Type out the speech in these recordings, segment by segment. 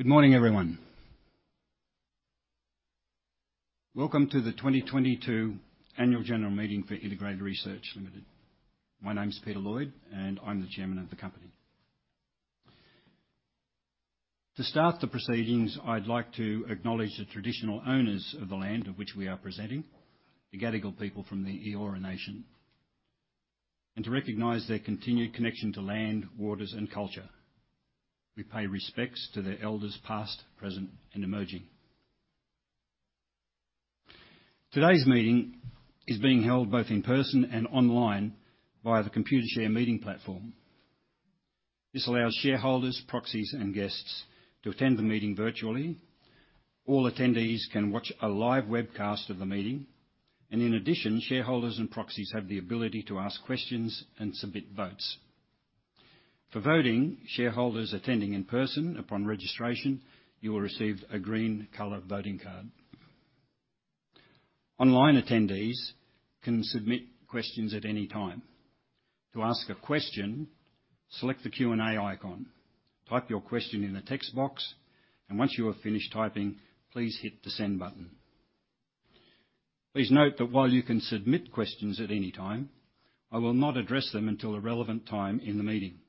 Good morning, everyone. Welcome to the 2022 annual general meeting for Integrated Research Limited. My name's Peter Lloyd, and I'm the Chairman of the company. To start the proceedings, I'd like to acknowledge the traditional owners of the land of which we are presenting, the Gadigal people from the Eora Nation, and to recognize their continued connection to land, waters, and culture. We pay respects to their elders past, present, and emerging. Today's meeting is being held both in person and online via the Computershare meeting platform. This allows shareholders, proxies, and guests to attend the meeting virtually. All attendees can watch a live webcast of the meeting, and in addition, shareholders and proxies have the ability to ask questions and submit votes. For voting, shareholders attending in person, upon registration, you will receive a green color voting card. Online attendees can submit questions at any time. To ask a question, select the Q&A icon, type your question in the text box, and once you have finished typing, please hit the Send button. Please note that while you can submit questions at any time, I will not address them until a relevant time in the meeting.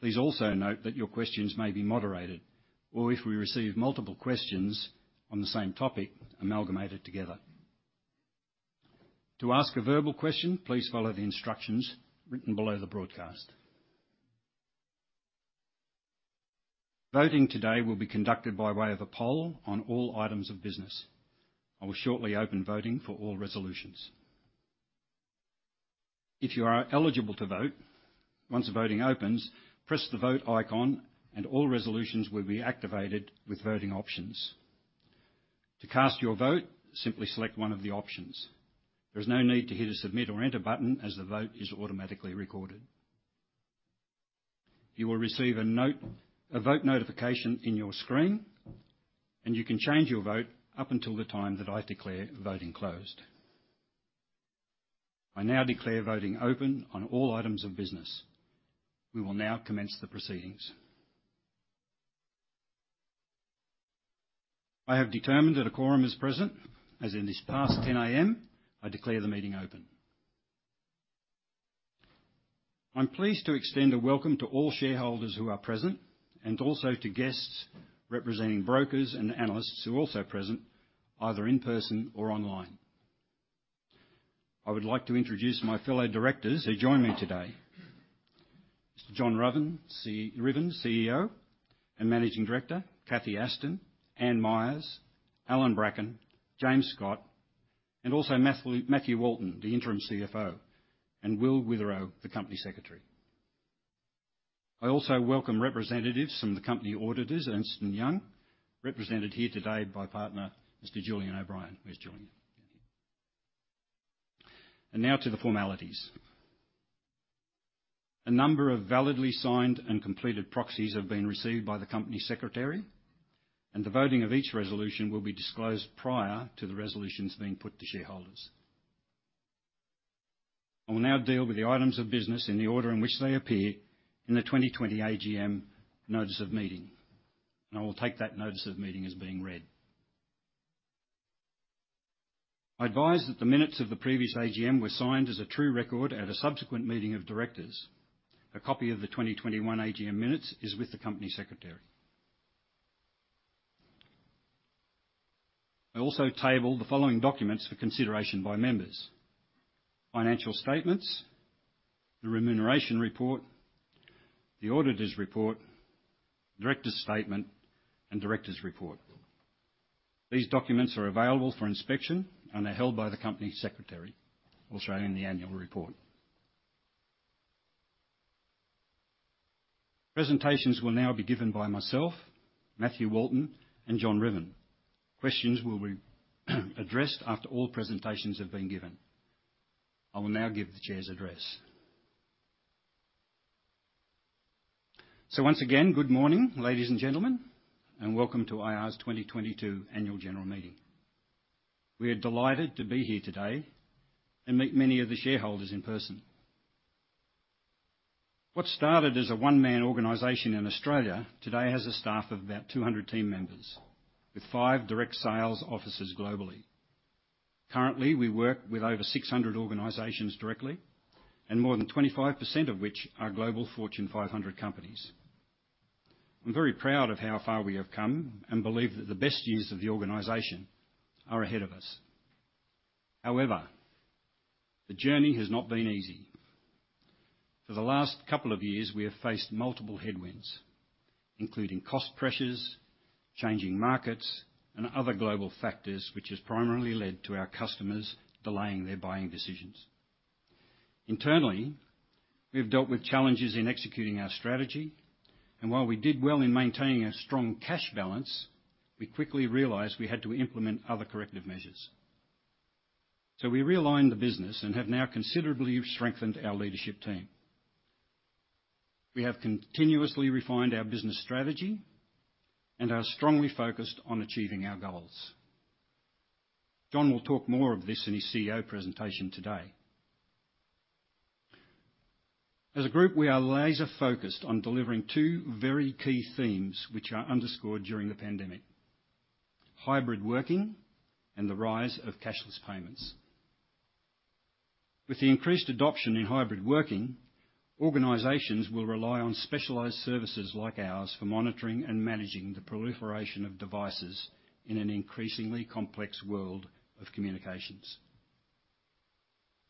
Please also note that your questions may be moderated or if we receive multiple questions on the same topic, amalgamated together. To ask a verbal question, please follow the instructions written below the broadcast. Voting today will be conducted by way of a poll on all items of business. I will shortly open voting for all resolutions. If you are eligible to vote, once the voting opens, press the Vote icon and all resolutions will be activated with voting options. To cast your vote, simply select one of the options. There is no need to hit a Submit or Enter button as the vote is automatically recorded. You will receive a vote notification in your screen, and you can change your vote up until the time that I declare voting closed. I now declare voting open on all items of business. We will now commence the proceedings. I have determined that a quorum is present as in this past 10:00 A.M., I declare the meeting open. I'm pleased to extend a welcome to all shareholders who are present and also to guests representing brokers and analysts who are also present either in person or online. I would like to introduce my fellow directors who join me today. Mr. John Ruthven, CEO and Managing Director, Cathy Aston, Anne Myers, Allan Brackin, James Scott, and also Matthew Walton, the Interim CFO, and Will Witherow, the Company Secretary. I also welcome representatives from the company auditors, Ernst & Young, represented here today by Partner Mr. Julian O'Brien, who's joining. Now to the formalities. A number of validly signed and completed proxies have been received by the company secretary, and the voting of each resolution will be disclosed prior to the resolutions being put to shareholders. I will now deal with the items of business in the order in which they appear in the 2020 AGM notice of meeting. I will take that notice of meeting as being read. I advise that the minutes of the previous AGM were signed as a true record at a subsequent meeting of directors. A copy of the 2021 AGM minutes is with the company secretary. I also table the following documents for consideration by members: financial statements, the remuneration report, the auditor's report, director's statement, and director's report. These documents are available for inspection, and they're held by the company secretary, also in the annual report. Presentations will now be given by myself, Matthew Walton, and John Ruthven. Questions will be addressed after all presentations have been given. I will now give the chair's address. Once again, good morning, ladies and gentlemen, and welcome to IR's 2022 annual general meeting. We are delighted to be here today and meet many of the shareholders in person. What started as a one-man organization in Australia today has a staff of about 200 team members with five direct sales offices globally. Currently, we work with over 600 organizations directly and more than 25% of which are Global Fortune 500 companies. I'm very proud of how far we have come and believe that the best years of the organization are ahead of us. However, the journey has not been easy. For the last couple of years, we have faced multiple headwinds, including cost pressures, changing markets, and other global factors, which has primarily led to our customers delaying their buying decisions. Internally, we have dealt with challenges in executing our strategy, and while we did well in maintaining a strong cash balance, we quickly realized we had to implement other corrective measures. We realigned the business and have now considerably strengthened our leadership team. We have continuously refined our business strategy and are strongly focused on achieving our goals. John will talk more of this in his CEO presentation today. As a group, we are laser-focused on delivering two very key themes, which are underscored during the pandemic: hybrid working and the rise of cashless payments. With the increased adoption in hybrid working, organizations will rely on specialized services like ours for monitoring and managing the proliferation of devices in an increasingly complex world of communications.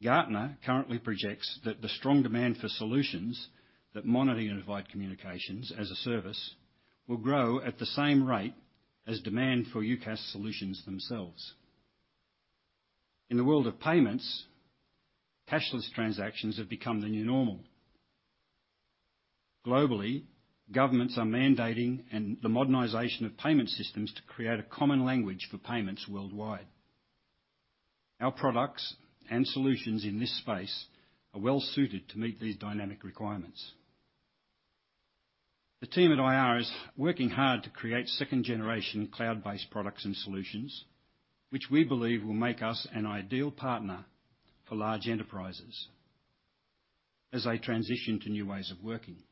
Gartner currently projects that the strong demand for solutions that monitor Unified Communications as a Service will grow at the same rate as demand for UCaaS solutions themselves. In the world of payments, cashless transactions have become the new normal. Globally, governments are mandating the modernization of payment systems to create a common language for payments worldwide. Our products and solutions in this space are well-suited to meet these dynamic requirements. The team at IR is working hard to create second-generation cloud-based products and solutions, which we believe will make us an ideal partner for large enterprises as they transition to new ways of working.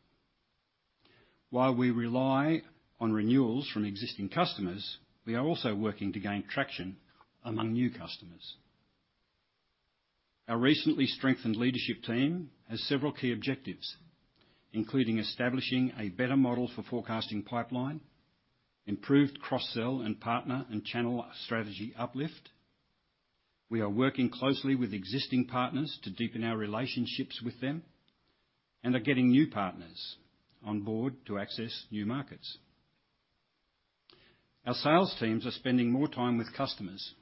While we rely on renewals from existing customers, we are also working to gain traction among new customers. Our recently strengthened leadership team has several key objectives, including establishing a better model for forecasting pipeline, improved cross-sell and partner and channel strategy uplift. We are working closely with existing partners to deepen our relationships with them and are getting new partners on board to access new markets. Our sales teams are spending more time with customers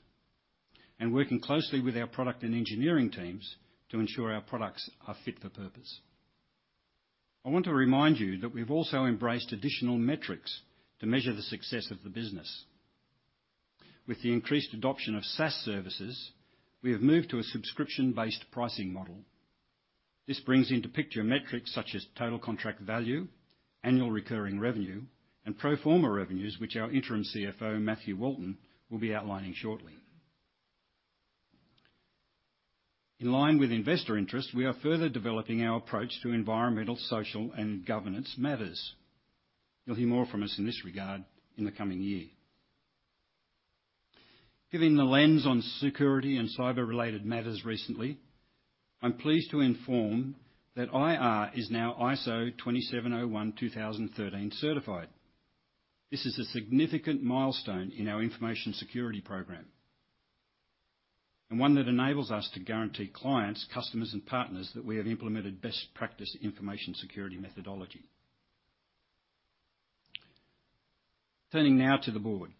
and working closely with our product and engineering teams to ensure our products are fit for purpose. I want to remind you that we've also embraced additional metrics to measure the success of the business. With the increased adoption of SaaS services, we have moved to a subscription-based pricing model. This brings into picture metrics such as total contract value, annual recurring revenue, and pro forma revenues, which our Interim Chief Financial Officer, Matthew Walton, will be outlining shortly. In line with investor interest, we are further developing our approach to environmental, social, and governance matters. You'll hear more from us in this regard in the coming year. Given the lens on security and cyber-related matters recently, I'm pleased to inform that IR is now ISO/IEC 27001:2013 certified. This is a significant milestone in our information security program, one that enables us to guarantee clients, customers, and partners that we have implemented best practice information security methodology. Turning now to the board.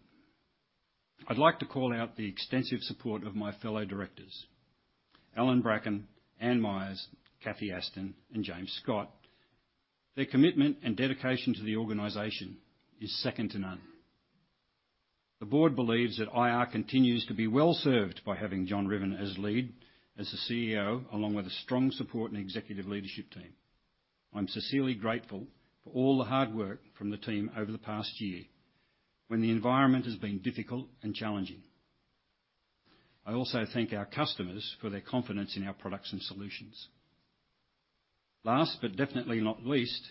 I'd like to call out the extensive support of my fellow directors, Allan Brackin, Anne Myers, Cathy Aston, and James Scott. Their commitment and dedication to the organization is second to none. The board believes that IR continues to be well-served by having John Ruthven as lead, as the CEO, along with a strong support and executive leadership team. I'm sincerely grateful for all the hard work from the team over the past year, when the environment has been difficult and challenging. I also thank our customers for their confidence in our products and solutions. Last, but definitely not least,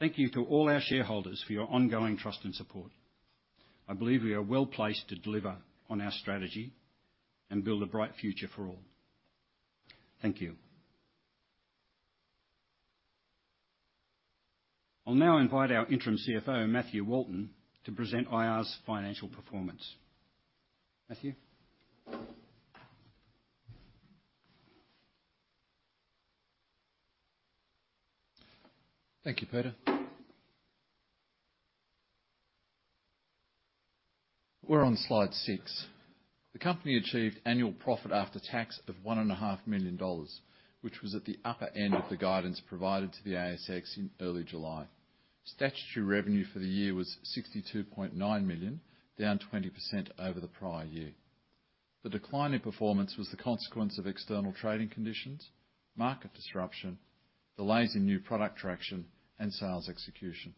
thank you to all our shareholders for your ongoing trust and support. I believe we are well-placed to deliver on our strategy and build a bright future for all. Thank you. I'll now invite our interim CFO, Matthew Walton, to present IR's financial performance. Matthew? Thank you, Peter. We're on slide six. The company achieved annual profit after tax of 1,500,000 million dollars, which was at the upper end of the guidance provided to the ASX in early July. Statutory revenue for the year was 62.9 million, down 20% over the prior year. The decline in performance was the consequence of external trading conditions, market disruption, delays in new product traction, and sales execution.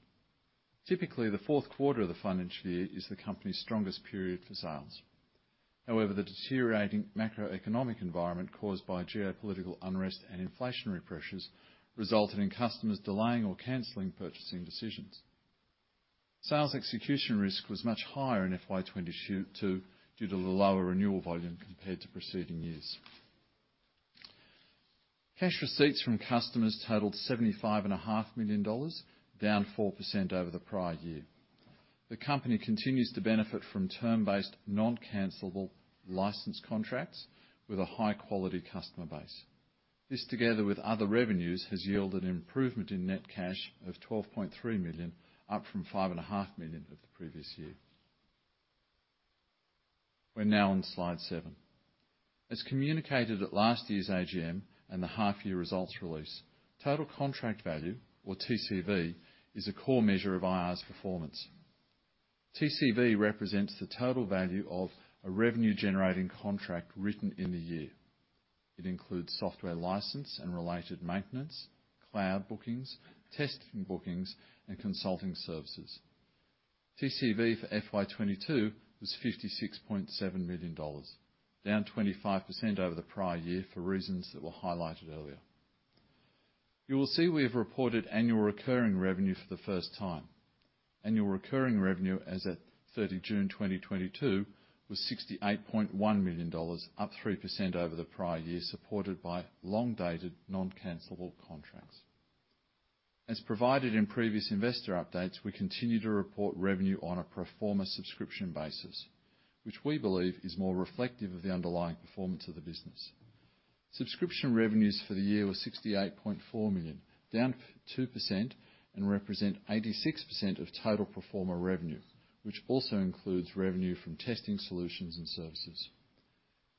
Typically, the fourth quarter of the financial year is the company's strongest period for sales. However, the deteriorating macroeconomic environment caused by geopolitical unrest and inflationary pressures resulted in customers delaying or canceling purchasing decisions. Sales execution risk was much higher in FY22 due to the lower renewal volume compared to preceding years. Cash receipts from customers totaled AUD 75,500,000, down 4% over the prior year. The company continues to benefit from term-based, non-cancelable license contracts with a high-quality customer base. This, together with other revenues, has yielded improvement in net cash of 12.3 million, up from 5,500,000 of the previous year. We're now on slide seven. As communicated at last year's AGM and the half-year results release, total contract value, or TCV, is a core measure of IR's performance. TCV represents the total value of a revenue-generating contract written in the year. It includes software license and related maintenance, cloud bookings, testing bookings, and consulting services. TCV for FY22 was 56.7 million dollars, down 25% over the prior year for reasons that were highlighted earlier. You will see we have reported annual recurring revenue for the first time. Annual recurring revenue as at 30 June 2022 was 68.1 million dollars, up 3% over the prior year, supported by long-dated non-cancelable contracts. As provided in previous investor updates, we continue to report revenue on a pro forma subscription basis, which we believe is more reflective of the underlying performance of the business. Subscription revenues for the year were 68.4 million, down 2% and represent 86% of total pro forma revenue, which also includes revenue from testing solutions and services.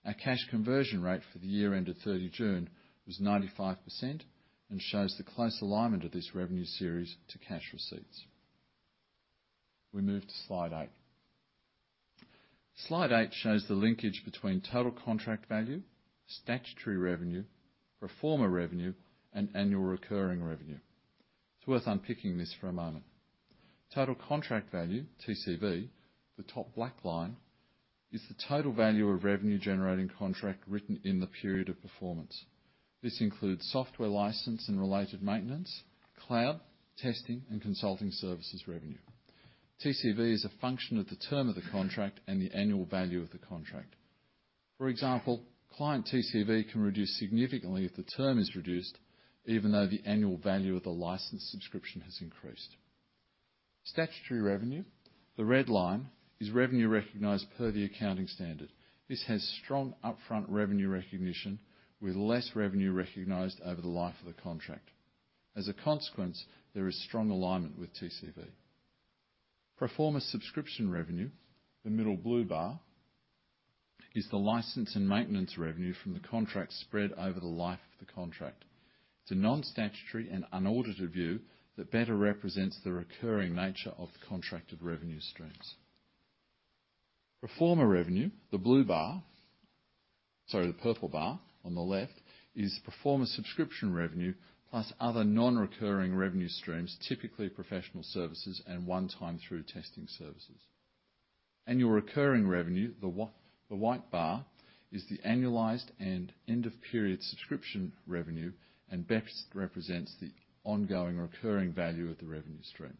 Our cash conversion rate for the year ended 30 June was 95% and shows the close alignment of this revenue series to cash receipts. We move to slide eight. Slide eight shows the linkage between total contract value, statutory revenue, pro forma revenue, and annual recurring revenue. It's worth unpicking this for a moment. Total contract value, TCV, the top black line, is the total value of revenue-generating contract written in the period of performance. This includes software license and related maintenance, cloud, testing, and consulting services revenue. TCV is a function of the term of the contract and the annual value of the contract. For example, client TCV can reduce significantly if the term is reduced, even though the annual value of the license subscription has increased. Statutory revenue, the red line, is revenue recognized per the accounting standard. This has strong upfront revenue recognition with less revenue recognized over the life of the contract. As a consequence, there is strong alignment with TCV. Pro forma subscription revenue, the middle blue bar, is the license and maintenance revenue from the contract spread over the life of the contract. It's a non-statutory and unaudited view that better represents the recurring nature of contracted revenue streams. Pro forma revenue, the purple bar on the left is pro forma subscription revenue plus other non-recurring revenue streams, typically professional services and one-time through testing services. Annual recurring revenue, the white bar, is the annualized and end-of-period subscription revenue and best represents the ongoing recurring value of the revenue stream.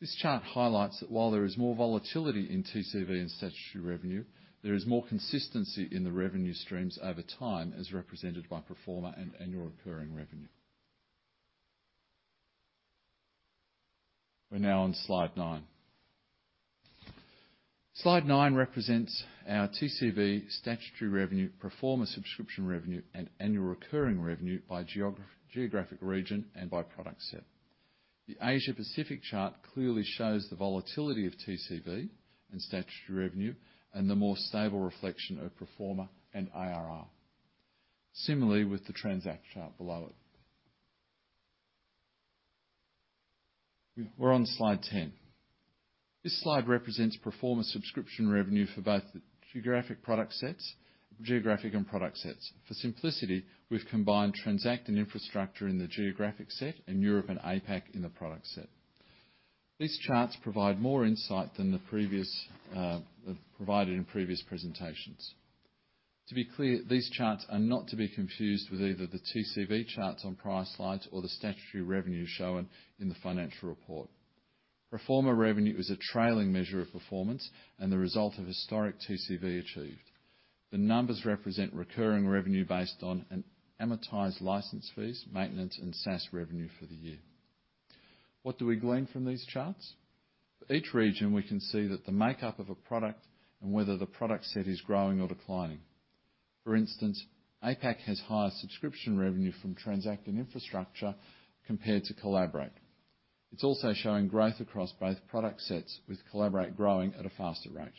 This chart highlights that while there is more volatility in TCV and statutory revenue, there is more consistency in the revenue streams over time, as represented by pro forma and Annual recurring revenue. We're now on Slide nine. Slide nine represents our TCV statutory revenue, pro forma subscription revenue, and Annual recurring revenue by geographic region and by product set. The Asia Pacific chart clearly shows the volatility of TCV and statutory revenue and the more stable reflection of pro forma and ARR. Similarly with the Transact chart below it. We're on slide 10. This slide represents pro forma subscription revenue for both the geographic and product sets. For simplicity, we've combined Transact and Infrastructure in the geographic set and Europe and APAC in the product set. These charts provide more insight than provided in previous presentations. To be clear, these charts are not to be confused with either the TCV charts on prior slides or the statutory revenue shown in the financial report. Pro forma revenue is a trailing measure of performance and the result of historic TCV achieved. The numbers represent recurring revenue based on an amortized license fees, maintenance, and SaaS revenue for the year. What do we glean from these charts? For each region, we can see that the makeup of a product and whether the product set is growing or declining. For instance, APAC has higher subscription revenue from Transact and Infrastructure compared to Collaborate. It's also showing growth across both product sets, with Collaborate growing at a faster rate.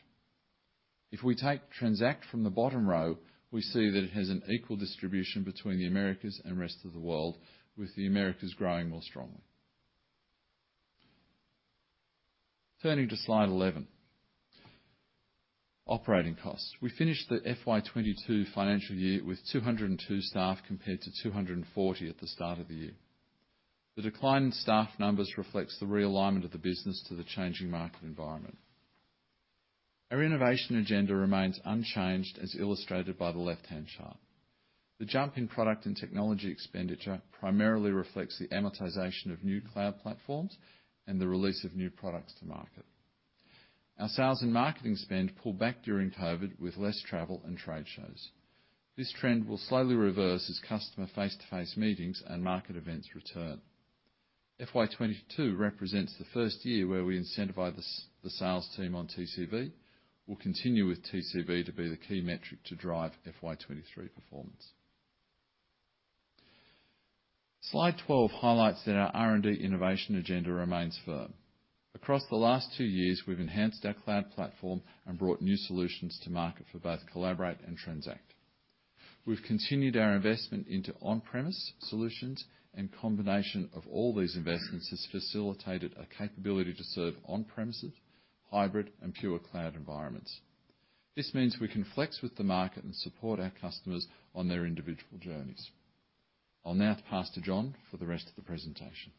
If we take Transact from the bottom row, we see that it has an equal distribution between the Americas and rest of the world, with the Americas growing more strongly. Turning to slide 11, operating costs. We finished the FY22 financial year with 202 staff, compared to 240 at the start of the year. The decline in staff numbers reflects the realignment of the business to the changing market environment. Our innovation agenda remains unchanged, as illustrated by the left-hand chart. The jump in product and technology expenditure primarily reflects the amortization of new cloud platforms and the release of new products to market. Our sales and marketing spend pulled back during COVID with less travel and trade shows. This trend will slowly reverse as customer face-to-face meetings and market events return. FY22 represents the first year where we incentivize the sales team on TCV. We'll continue with TCV to be the key metric to drive FY23 performance. Slide 12 highlights that our R&D innovation agenda remains firm. Across the last two years, we've enhanced our cloud platform and brought new solutions to market for both Collaborate and Transact. We've continued our investment into on-premise solutions, combination of all these investments has facilitated a capability to serve on-premises, hybrid, and pure cloud environments. This means we can flex with the market and support our customers on their individual journeys. I'll now pass to John for the rest of the presentation.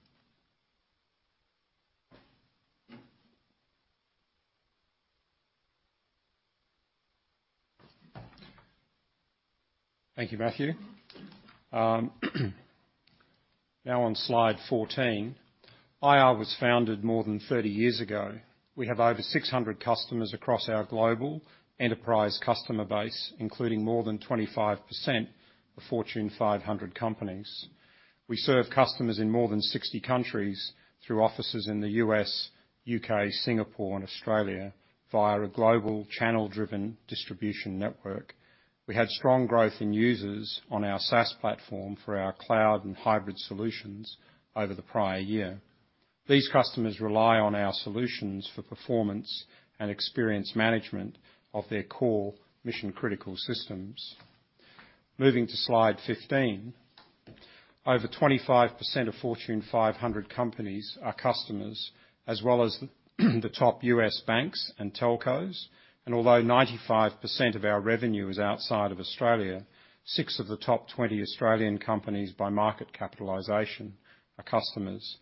Thank you, Matthew. Now on slide 14. IR was founded more than 30 years ago. We have over 600 customers across our global enterprise customer base, including more than 25% of Fortune 500 companies. We serve customers in more than 60 countries through offices in the U.S., U.K., Singapore, and Australia via a global channel-driven distribution network. We had strong growth in users on our SaaS platform for our cloud and hybrid solutions over the prior year. These customers rely on our solutions for performance and experience management of their core mission-critical systems. Moving to slide 15. Over 25% of Fortune 500 companies are customers as well as the top U.S. banks and telcos. Although 95% of our revenue is outside of Australia, six of the top 20 Australian companies by market capitalization are customers.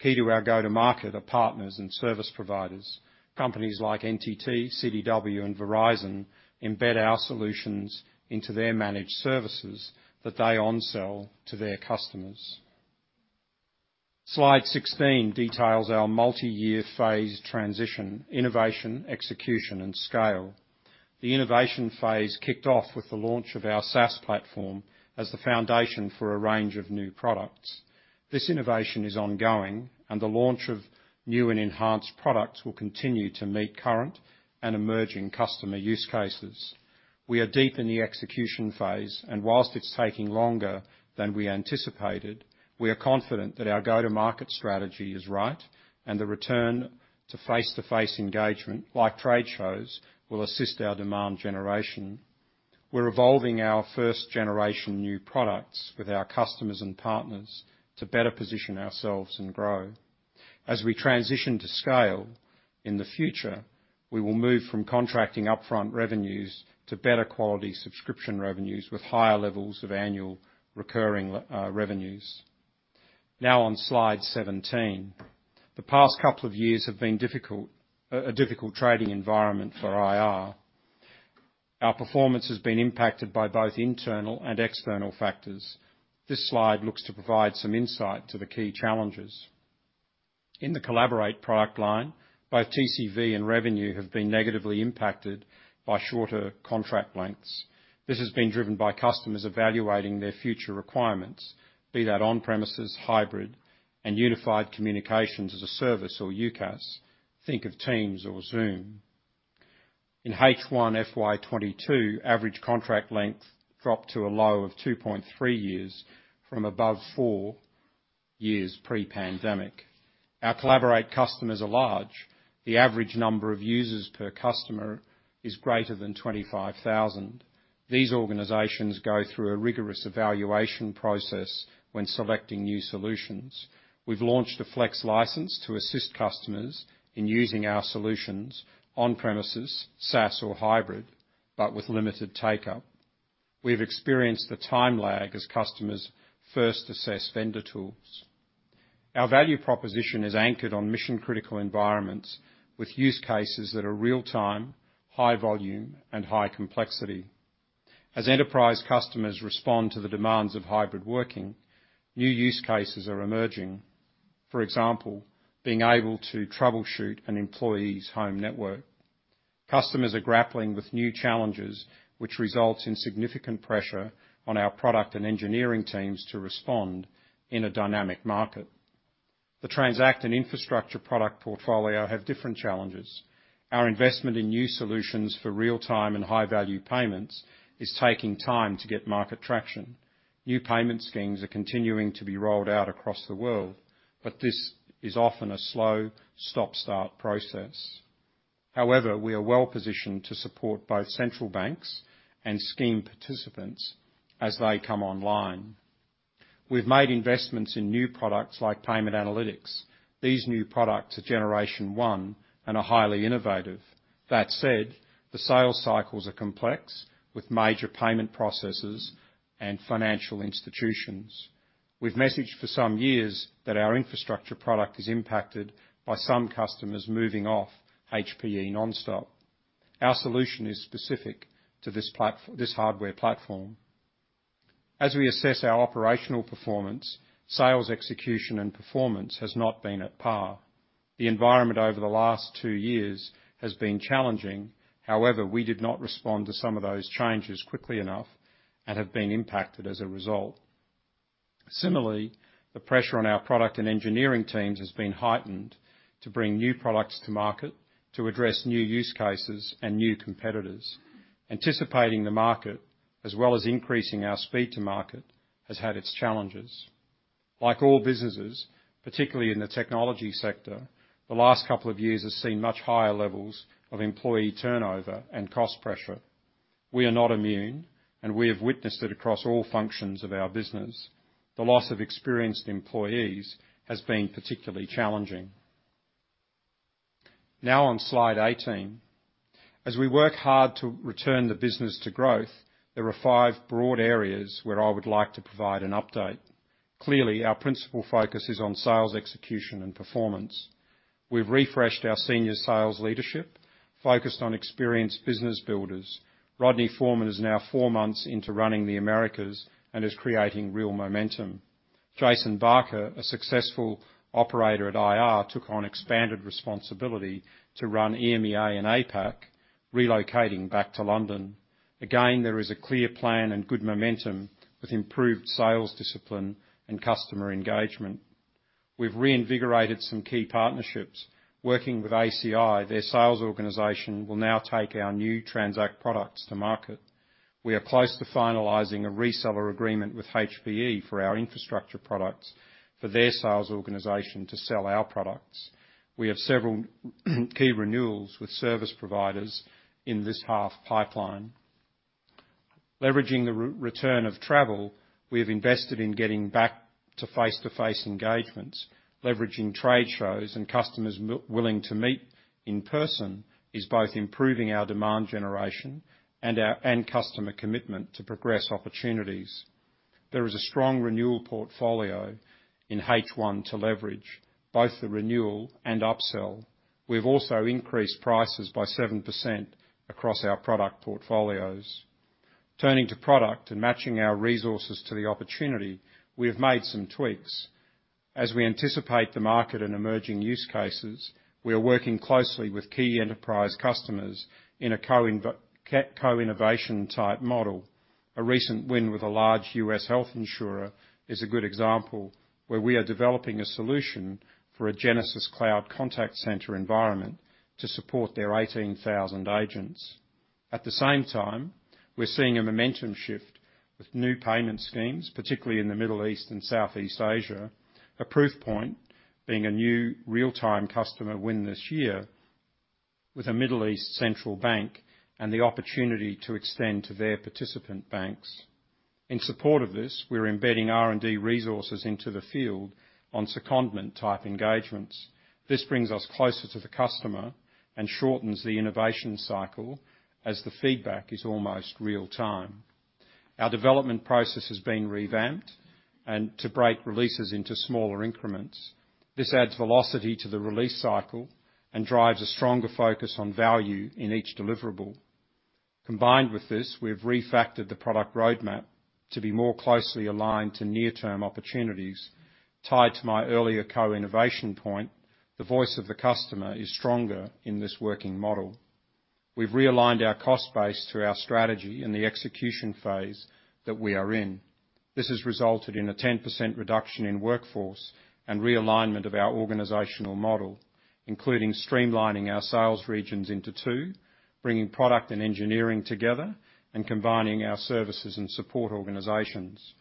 Key to our go-to market are partners and service providers. Companies like NTT, CDW, and Verizon embed our solutions into their managed services that they onsell to their customers. Slide 16 details our multi-year phase transition, innovation, execution, and scale. The innovation phase kicked off with the launch of our SaaS platform as the foundation for a range of new products. This innovation is ongoing and the launch of new and enhanced products will continue to meet current and emerging customer use cases. We are deep in the execution phase, and whilst it's taking longer than we anticipated, we are confident that our go-to market strategy is right and the return to face-to-face engagement like trade shows will assist our demand generation. We're evolving our first generation new products with our customers and partners to better position ourselves and grow. As we transition to scale in the future, we will move from contracting upfront revenues to better quality subscription revenues with higher levels of annual recurring revenues. Now on slide 17. The past couple of years have been a difficult trading environment for IR. Our performance has been impacted by both internal and external factors. This slide looks to provide some insight to the key challenges. In the Collaborate product line, both TCV and revenue have been negatively impacted by shorter contract lengths. This has been driven by customers evaluating their future requirements, be that on-premises, hybrid, and Unified Communications as a Service or UCaaS. Think of Teams or Zoom. In H1 FY22, average contract length dropped to a low of 2.3 years from above four years pre-pandemic. Our Collaborate customers are large. The average number of users per customer is greater than 25,000. These organizations go through a rigorous evaluation process when selecting new solutions. We've launched a flex license to assist customers in using our solutions on-premises, SaaS or hybrid, but with limited take-up. We've experienced the time lag as customers first assess vendor tools. Our value proposition is anchored on mission-critical environments with use cases that are real-time, high volume, and high complexity. As enterprise customers respond to the demands of hybrid working, new use cases are emerging. For example, being able to troubleshoot an employee's home network. Customers are grappling with new challenges, which results in significant pressure on our product and engineering teams to respond in a dynamic market. The Transact and Infrastructure product portfolio have different challenges. Our investment in new solutions for real-time and high-value payments is taking time to get market traction. New payment schemes are continuing to be rolled out across the world, but this is often a slow stop-start process. However, we are well-positioned to support both central banks and scheme participants as they come online. We've made investments in new products like Payment Analytics. These new products are generation 1 and are highly innovative. That said, the sales cycles are complex with major payment processes and financial institutions. We've messaged for some years that our Infrastructure product is impacted by some customers moving off HPE NonStop. Our solution is specific to this hardware platform. As we assess our operational performance, sales execution, and performance has not been at par. The environment over the last two years has been challenging. However, we did not respond to some of those changes quickly enough and have been impacted as a result. Similarly, the pressure on our product and engineering teams has been heightened to bring new products to market to address new use cases and new competitors. Anticipating the market, as well as increasing our speed to market, has had its challenges. Like all businesses, particularly in the technology sector, the last couple of years has seen much higher levels of employee turnover and cost pressure. We are not immune, and we have witnessed it across all functions of our business. The loss of experienced employees has been particularly challenging. Now on slide 18. As we work hard to return the business to growth, there are 5 broad areas where I would like to provide an update. Our principal focus is on sales execution and performance. We've refreshed our senior sales leadership, focused on experienced business builders. Rodney Foreman is now four months into running the Americas and is creating real momentum. Jason Barker, a successful operator at IR, took on expanded responsibility to run EMEA and APAC, relocating back to London. There is a clear plan and good momentum with improved sales discipline and customer engagement. We've reinvigorated some key partnerships. Working with ACI, their sales organization will now take our new Transact products to market. We are close to finalizing a reseller agreement with HPE for our Infrastructure products for their sales organization to sell our products. We have several key renewals with service providers in this half pipeline. Leveraging the return of travel, we have invested in getting back to face-to-face engagements, leveraging trade shows, and customers willing to meet in person is both improving our demand generation and customer commitment to progress opportunities. There is a strong renewal portfolio in H1 to leverage both the renewal and upsell. We've also increased prices by 7% across our product portfolios. Turning to product and matching our resources to the opportunity, we have made some tweaks. As we anticipate the market in emerging use cases, we are working closely with key enterprise customers in a co-innovation type model. A recent win with a large U.S. health insurer is a good example where we are developing a solution for a Genesys cloud contact center environment to support their 18,000 agents. At the same time, we're seeing a momentum shift with new payment schemes, particularly in the Middle East and Southeast Asia. A proof point being a new real-time customer win this year with a Middle East Central Bank and the opportunity to extend to their participant banks. In support of this, we're embedding R&D resources into the field on secondment type engagements. This brings us closer to the customer and shortens the innovation cycle as the feedback is almost real time. Our development process has been revamped, and to break releases into smaller increments. This adds velocity to the release cycle and drives a stronger focus on value in each deliverable. Combined with this, we've refactored the product roadmap to be more closely aligned to near-term opportunities. Tied to my earlier co-innovation point, the voice of the customer is stronger in this working model. We've realigned our cost base to our strategy in the execution phase that we are in. This has resulted in a 10% reduction in workforce and realignment of our organizational model, including streamlining our sales regions into two, bringing product and engineering together, and combining our services and support organizations.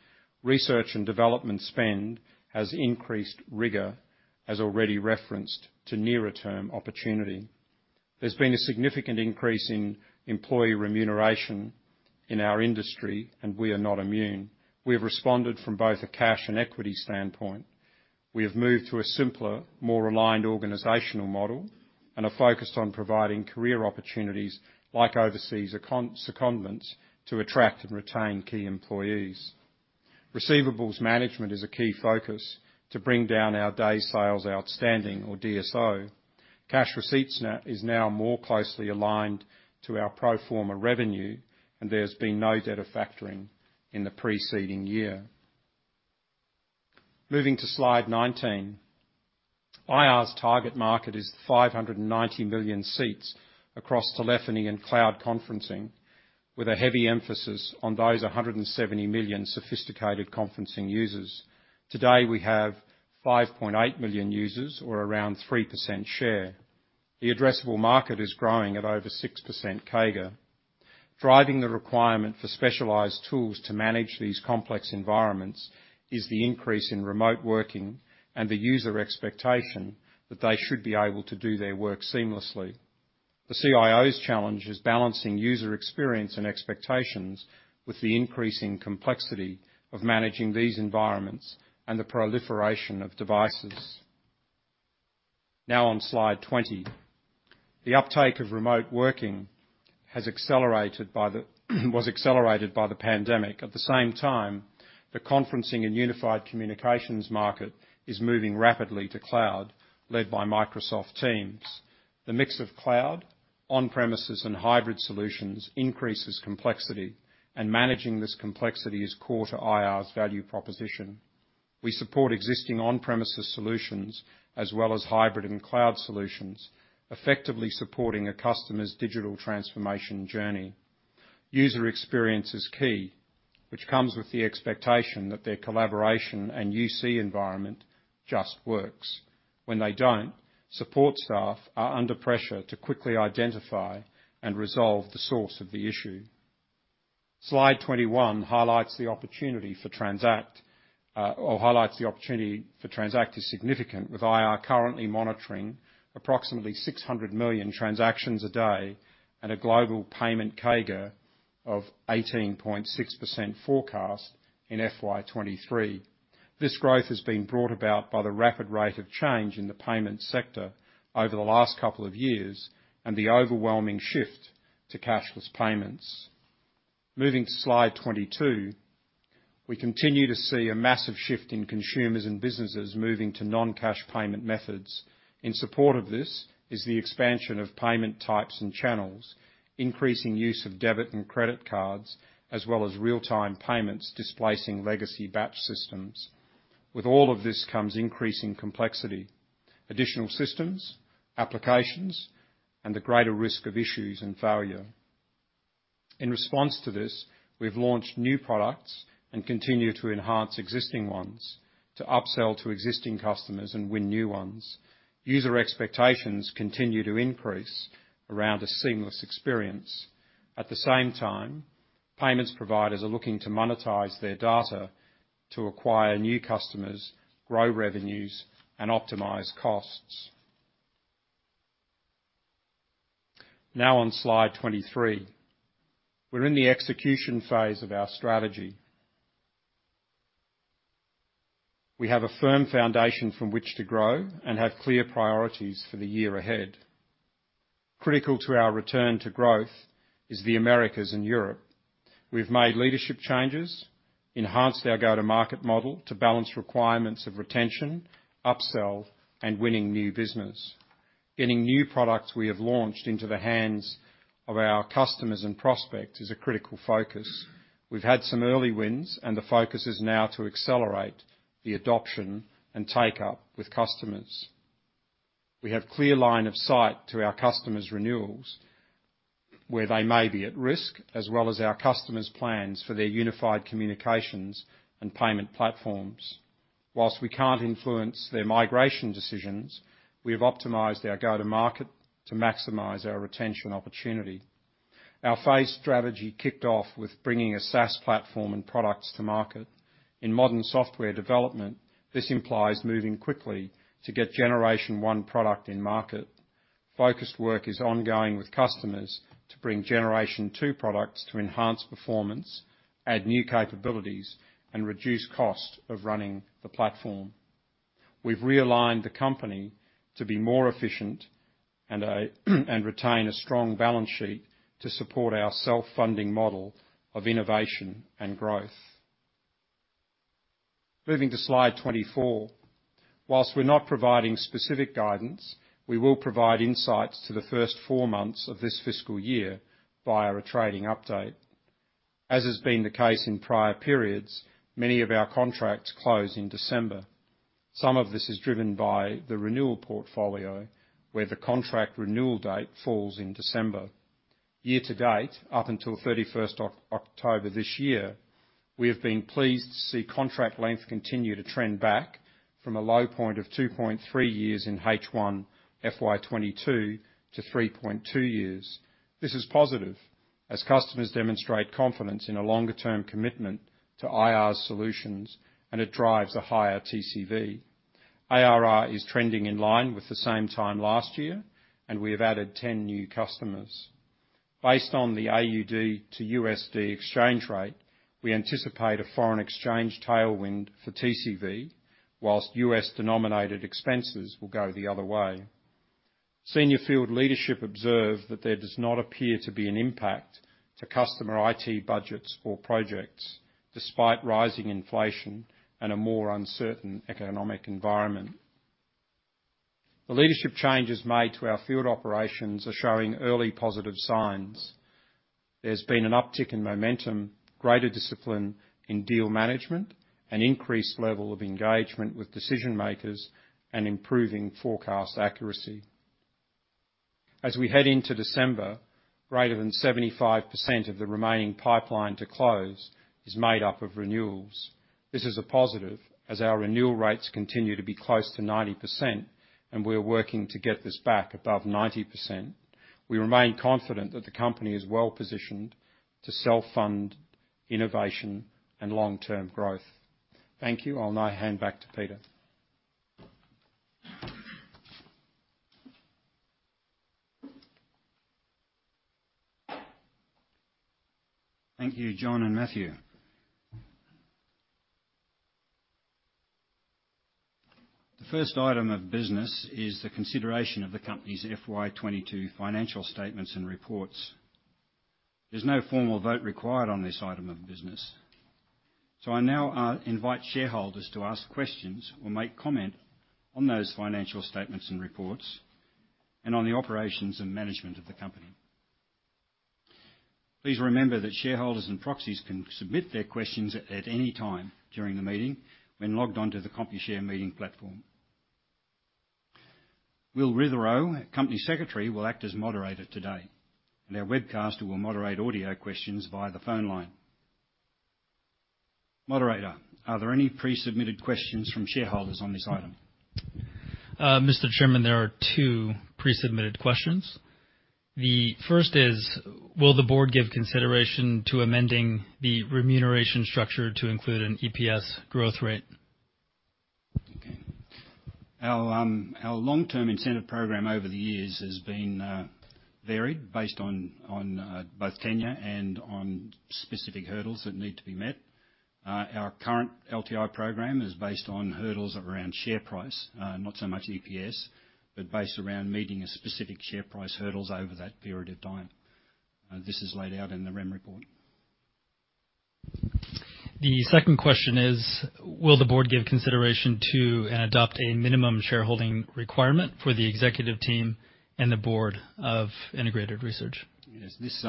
Research and development spend has increased rigor, as already referenced, to nearer term opportunity. There's been a significant increase in employee remuneration in our industry, and we are not immune. We have responded from both a cash and equity standpoint. We have moved to a simpler, more aligned organizational model and are focused on providing career opportunities like overseas secondments to attract and retain key employees. Receivables management is a key focus to bring down our day sales outstanding or DSO. Cash receipts is now more closely aligned to our pro forma revenue, and there's been no debt of factoring in the preceding year. Moving to slide 19. IR's target market is 590 million seats across telephony and cloud conferencing, with a heavy emphasis on those 170 million sophisticated conferencing users. Today, we have 5.8 million users or around 3% share. The addressable market is growing at over 6% CAGR. Driving the requirement for specialized tools to manage these complex environments is the increase in remote working and the user expectation that they should be able to do their work seamlessly. The CIO's challenge is balancing user experience and expectations with the increasing complexity of managing these environments and the proliferation of devices. On slide 20. The uptake of remote working was accelerated by the pandemic. At the same time, the conferencing and unified communications market is moving rapidly to cloud, led by Microsoft Teams. The mix of cloud, on-premises, and hybrid solutions increases complexity, and managing this complexity is core to IR's value proposition. We support existing on-premises solutions as well as hybrid and cloud solutions, effectively supporting a customer's digital transformation journey. User experience is key, which comes with the expectation that their collaboration and UC environment just works. When they don't, support staff are under pressure to quickly identify and resolve the source of the issue. Slide 21 highlights the opportunity for Transact is significant, with IR currently monitoring approximately 600 million transactions a day at a global payment CAGR of 18.6% forecast in FY23. This growth has been brought about by the rapid rate of change in the payment sector over the last couple of years and the overwhelming shift to cashless payments. Moving to slide 22. We continue to see a massive shift in consumers and businesses moving to non-cash payment methods. In support of this is the expansion of payment types and channels, increasing use of debit and credit cards, as well as real-time payments displacing legacy batch systems. With all of this comes increasing complexity, additional systems, applications, and the greater risk of issues and failure. In response to this, we've launched new products and continue to enhance existing ones to upsell to existing customers and win new ones. User expectations continue to increase around a seamless experience. At the same time, payments providers are looking to monetize their data to acquire new customers, grow revenues, and optimize costs. Now on slide 23. We're in the execution phase of our strategy. We have a firm foundation from which to grow and have clear priorities for the year ahead. Critical to our return to growth is the Americas and Europe. We've made leadership changes, enhanced our go-to-market model to balance requirements of retention, upsell, and winning new business. Getting new products we have launched into the hands of our customers and prospects is a critical focus. We've had some early wins and the focus is now to accelerate the adoption and take-up with customers. We have clear line of sight to our customers' renewals, where they may be at risk, as well as our customers' plans for their unified communications and payment platforms. Whilst we can't influence their migration decisions, we have optimized our go-to-market to maximize our retention opportunity. Our phase strategy kicked off with bringing a SaaS platform and products to market. In modern software development, this implies moving quickly to get generation 1 product in market. Focused work is ongoing with customers to bring generation II products to enhance performance, add new capabilities, and reduce cost of running the platform. We've realigned the company to be more efficient and retain a strong balance sheet to support our self-funding model of innovation and growth. Moving to slide 24. While we're not providing specific guidance, we will provide insights to the first four months of this fiscal year via a trading update. As has been the case in prior periods, many of our contracts close in December. Some of this is driven by the renewal portfolio, where the contract renewal date falls in December. Year to date, up until 31st of October this year, we have been pleased to see contract length continue to trend back from a low point of 2.3 years in H1 FY22 to 3.2 years. This is positive as customers demonstrate confidence in a longer-term commitment to IR's solutions, and it drives a higher TCV. ARR is trending in line with the same time last year, and we have added 10 new customers. Based on the AUD to USD exchange rate, we anticipate a foreign exchange tailwind for TCV whilst US-denominated expenses will go the other way. Senior field leadership observe that there does not appear to be an impact to customer IT budgets or projects despite rising inflation and a more uncertain economic environment. The leadership changes made to our field operations are showing early positive signs. There's been an uptick in momentum, greater discipline in deal management, an increased level of engagement with decision-makers, and improving forecast accuracy. As we head into December, greater than 75% of the remaining pipeline to close is made up of renewals. This is a positive as our renewal rates continue to be close to 90%, and we're working to get this back above 90%. We remain confident that the company is well-positioned to self-fund innovation and long-term growth. Thank you. I'll now hand back to Peter. Thank you, John and Matthew. The first item of business is the consideration of the company's FY22 financial statements and reports. There's no formal vote required on this item of business. I now invite shareholders to ask questions or make comment on those financial statements and reports and on the operations and management of the company. Please remember that shareholders and proxies can submit their questions at any time during the meeting when logged on to the Computershare meeting platform. Will Witherow, Company Secretary, will act as moderator today. Our webcaster will moderate audio questions via the phone line. Moderator, are there any pre-submitted questions from shareholders on this item? Mr. Chairman, there are two pre-submitted questions. The first is, will the board give consideration to amending the remuneration structure to include an EPS growth rate? Our long-term incentive program over the years has been varied based on both tenure and on specific hurdles that need to be met. Our current LTI program is based on hurdles around share price, not so much EPS, but based around meeting a specific share price hurdles over that period of time. This is laid out in the REM report. The second question is, will the board give consideration to adopt a minimum shareholding requirement for the executive team and the board of Integrated Research? Yes. This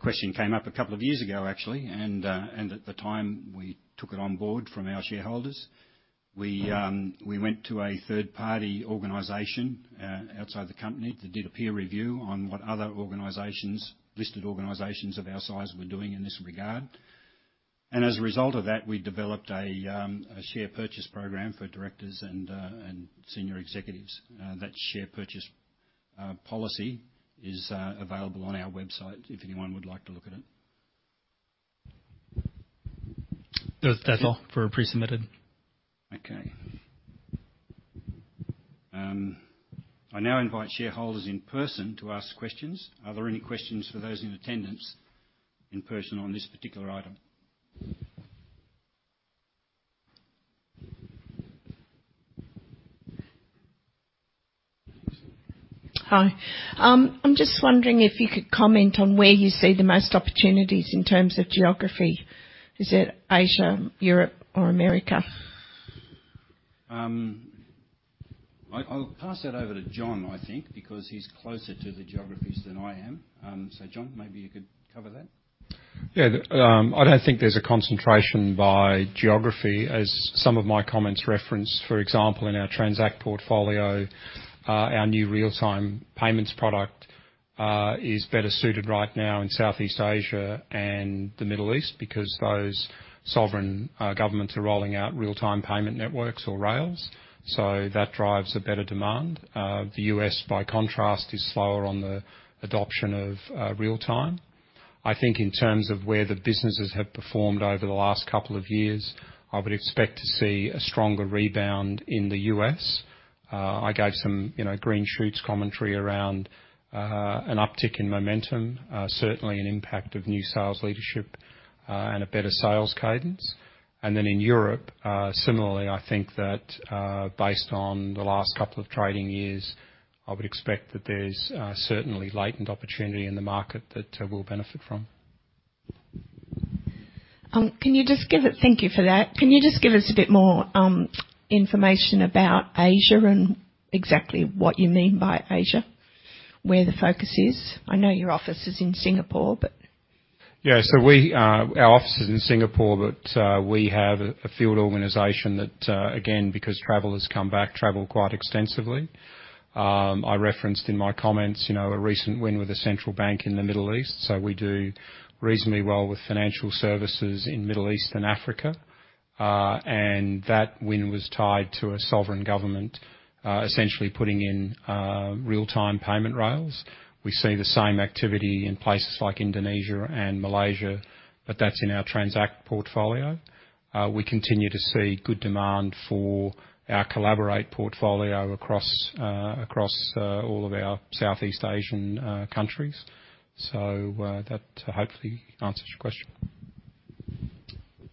question came up a couple of years ago, actually, at the time, we took it on board from our shareholders. We went to a third-party organization outside the company that did a peer review on what other organizations, listed organizations of our size were doing in this regard. As a result of that, we developed a share purchase program for directors and senior executives. That share purchase policy is available on our website if anyone would like to look at it. That's all for pre-submitted. Okay. I now invite shareholders in person to ask questions. Are there any questions for those in attendance in person on this particular item? Hi. I'm just wondering if you could comment on where you see the most opportunities in terms of geography. Is it Asia, Europe, or America? I'll pass that over to John, I think, because he's closer to the geographies than I am. John, maybe you could cover that. Yeah. I don't think there's a concentration by geography. As some of my comments referenced, for example, in our Transact portfolio, our new real-time payments product is better suited right now in Southeast Asia and the Middle East because those sovereign governments are rolling out real-time payment networks or rails. That drives a better demand. The U.S., by contrast, is slower on the adoption of real-time. I think in terms of where the businesses have performed over the last couple of years, I would expect to see a stronger rebound in the U.S. I gave some, you know, green shoots commentary around an uptick in momentum, certainly an impact of new sales leadership, and a better sales cadence. In Europe, similarly, I think that, based on the last couple of trading years, I would expect that there's certainly latent opportunity in the market that we'll benefit from. Thank you for that. Can you just give us a bit more information about Asia and exactly what you mean by Asia? Where the focus is. I know your office is in Singapore. Yeah. We, our office is in Singapore, but we have a field organization that again, because travel has come back, travel quite extensively. I referenced in my comments, you know, a recent win with a central bank in the Middle East, so we do reasonably well with financial services in Middle East and Africa. That win was tied to a sovereign government, essentially putting in real-time payment rails. We see the same activity in places like Indonesia and Malaysia, but that's in our Transact portfolio. We continue to see good demand for our Collaborate portfolio across across all of our Southeast Asian countries. That hopefully answers your question.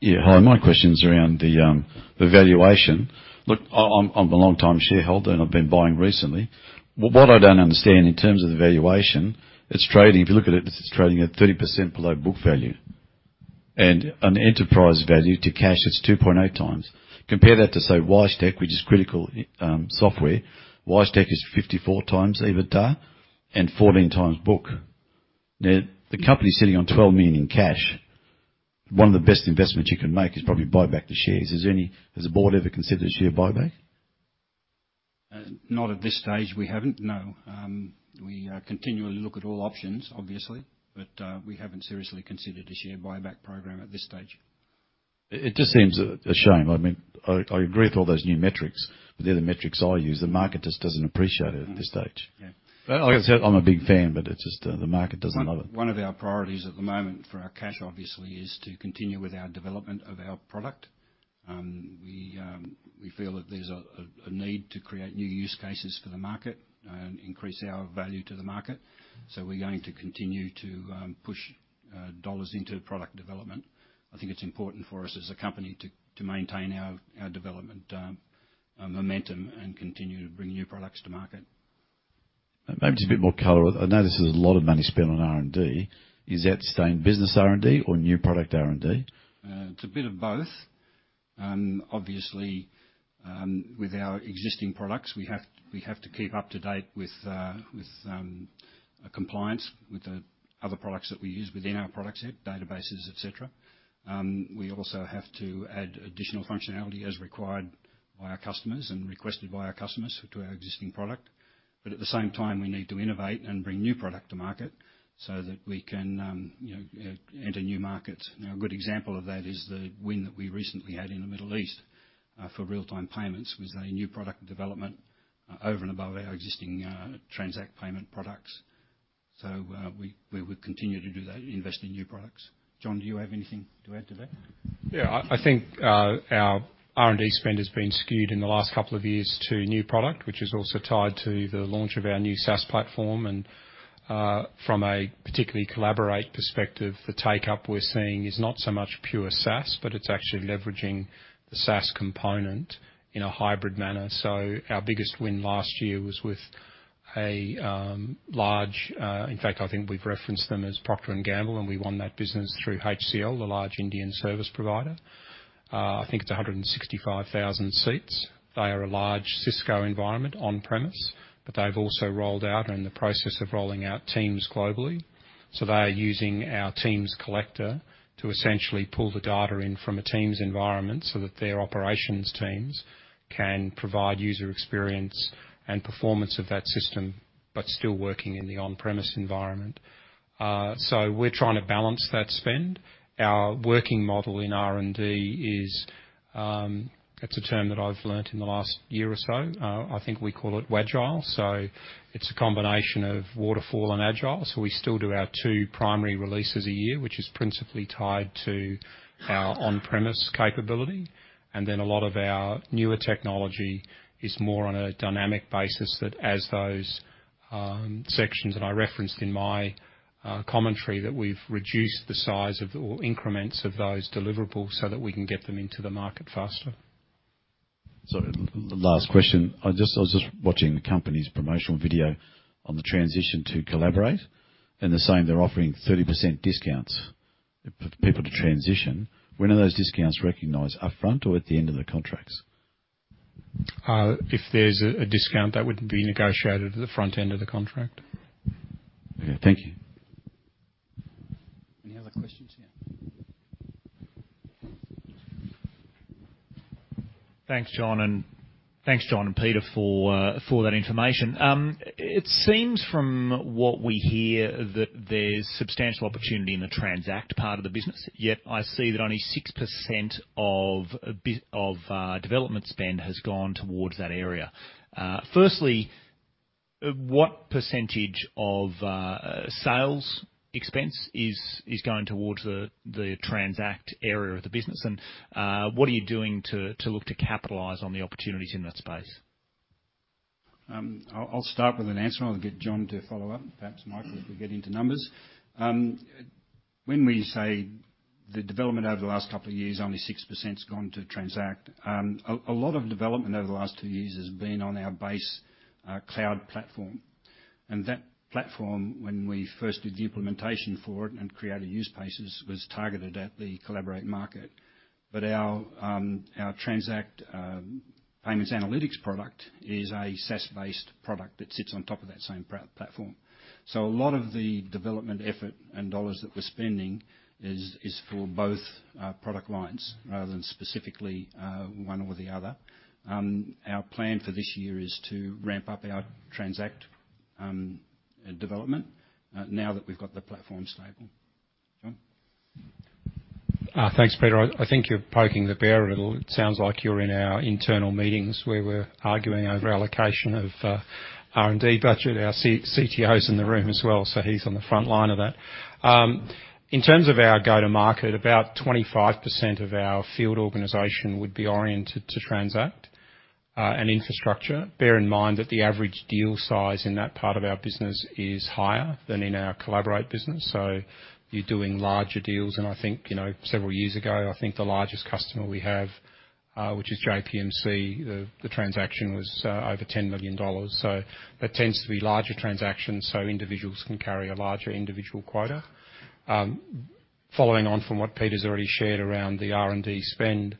Yeah. Hi, my question's around the valuation. Look, I'm a longtime shareholder, I've been buying recently. What I don't understand in terms of the valuation, if you look at it's trading at 30% below book value. An enterprise value to cash is 2.8x. Compare that to, say, WiseTech, which is critical software. WiseTech is 54x EBITDA and 14x book. The company's sitting on 12 million in cash. One of the best investments you can make is probably buy back the shares. Has the Board ever considered a share buyback? Not at this stage, we haven't. No. We continually look at all options, obviously, but we haven't seriously considered a share buyback program at this stage. It just seems a shame. I mean, I agree with all those new metrics. They're the metrics I use. The market just doesn't appreciate it at this stage. Mm-hmm. Yeah. Like I said, I'm a big fan, but it's just, the market doesn't love it. One of our priorities at the moment for our cash, obviously, is to continue with our development of our product. We feel that there's a need to create new use cases for the market and increase our value to the market. We're going to continue to push dollars into product development. I think it's important for us as a company to maintain our development momentum and continue to bring new products to market. Maybe a bit more color. I know this is a lot of money spent on R&D. Is that staying business R&D or new product R&D? It's a bit of both. Obviously, with our existing products, we have to keep up to date with, compliance with the other products that we use within our product set, databases, et cetera. We also have to add additional functionality as required by our customers and requested by our customers to our existing product. At the same time, we need to innovate and bring new product to market so that we can, you know, enter new markets. A good example of that is the win that we recently had in the Middle East, for real-time payments was a new product development, over and above our existing, Transact payment products. We would continue to do that, invest in new products. John, do you have anything to add to that? I think our R&D spend has been skewed in the last couple of years to new product, which is also tied to the launch of our new SaaS platform and from a particularly Collaborate perspective, the take-up we're seeing is not so much pure SaaS, but it's actually leveraging the SaaS component in a hybrid manner. Our biggest win last year was with a large, in fact, I think we've referenced them as Procter & Gamble, and we won that business through HCLTech, the large Indian service provider. I think it's 165,000 seats. They are a large Cisco environment on-premise, but they've also rolled out and in the process of rolling out Teams globally. They are using our Teams Collector to essentially pull the data in from a Teams environment so that their operations teams can provide user experience and performance of that system, but still working in the on-premise environment. We're trying to balance that spend. Our working model in R&D is, it's a term that I've learned in the last year or so. I think we call it Wagile. It's a combination of Waterfall and Agile. We still do our two primary releases a year, which is principally tied to our on-premise capability. A lot of our newer technology is more on a dynamic basis that as those sections that I referenced in my commentary, that we've reduced the size of all increments of those deliverables so that we can get them into the market faster. Sorry. Last question. I was just watching the company's promotional video on the transition to Collaborate and they're saying they're offering 30% discounts for people to transition. When are those discounts recognized, upfront or at the end of the contracts? If there's a discount, that would be negotiated at the front end of the contract. Okay. Thank you. Any other questions here? Thanks, John and Peter for that information. It seems from what we hear that there's substantial opportunity in the Transact part of the business, yet I see that only 6% of development spend has gone towards that area. Firstly, what percentage of sales expense is going towards the Transact area of the business? What are you doing to look to capitalize on the opportunities in that space? I'll start with an answer and I'll get John to follow up, perhaps Michael, if we get into numbers. When we say the development over the last couple of years, only 6%'s gone to Transact. A lot of development over the last two years has been on our base cloud platform. That platform, when we first did the implementation for it and created use cases, was targeted at the Collaborate market. Our Transact payments analytics product is a SaaS-based product that sits on top of that same platform. A lot of the development effort and dollars that we're spending is for both product lines rather than specifically one or the other. Our plan for this year is to ramp up our Transact development now that we've got the platform stable. John? Thanks, Peter. I think you're poking the bear a little. It sounds like you're in our internal meetings where we're arguing over allocation of R&D budget. Our CTO's in the room as well, so he's on the front line of that. In terms of our go-to-market, 25% of our field organization would be oriented to Transact and Infrastructure. Bear in mind that the average deal size in that part of our business is higher than in our Collaborate business, so you're doing larger deals and I think, you know, several years ago, I think the largest customer we have, which is JPMC, the transaction was over 10 million dollars. That tends to be larger transactions, so individuals can carry a larger individual quota. Following on from what Peter's already shared around the R&D spend,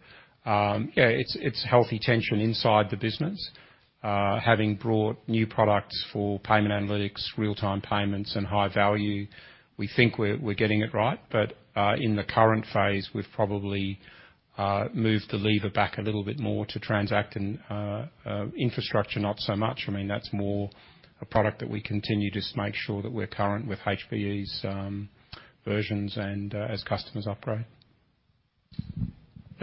it's healthy tension inside the business. Having brought new products for Payment Analytics, real-time payments, and high value, we think we're getting it right. In the current phase, we've probably moved the lever back a little bit more to Transact and Infrastructure not so much. I mean, that's more a product that we continue just to make sure that we're current with HPE's versions and as customers operate.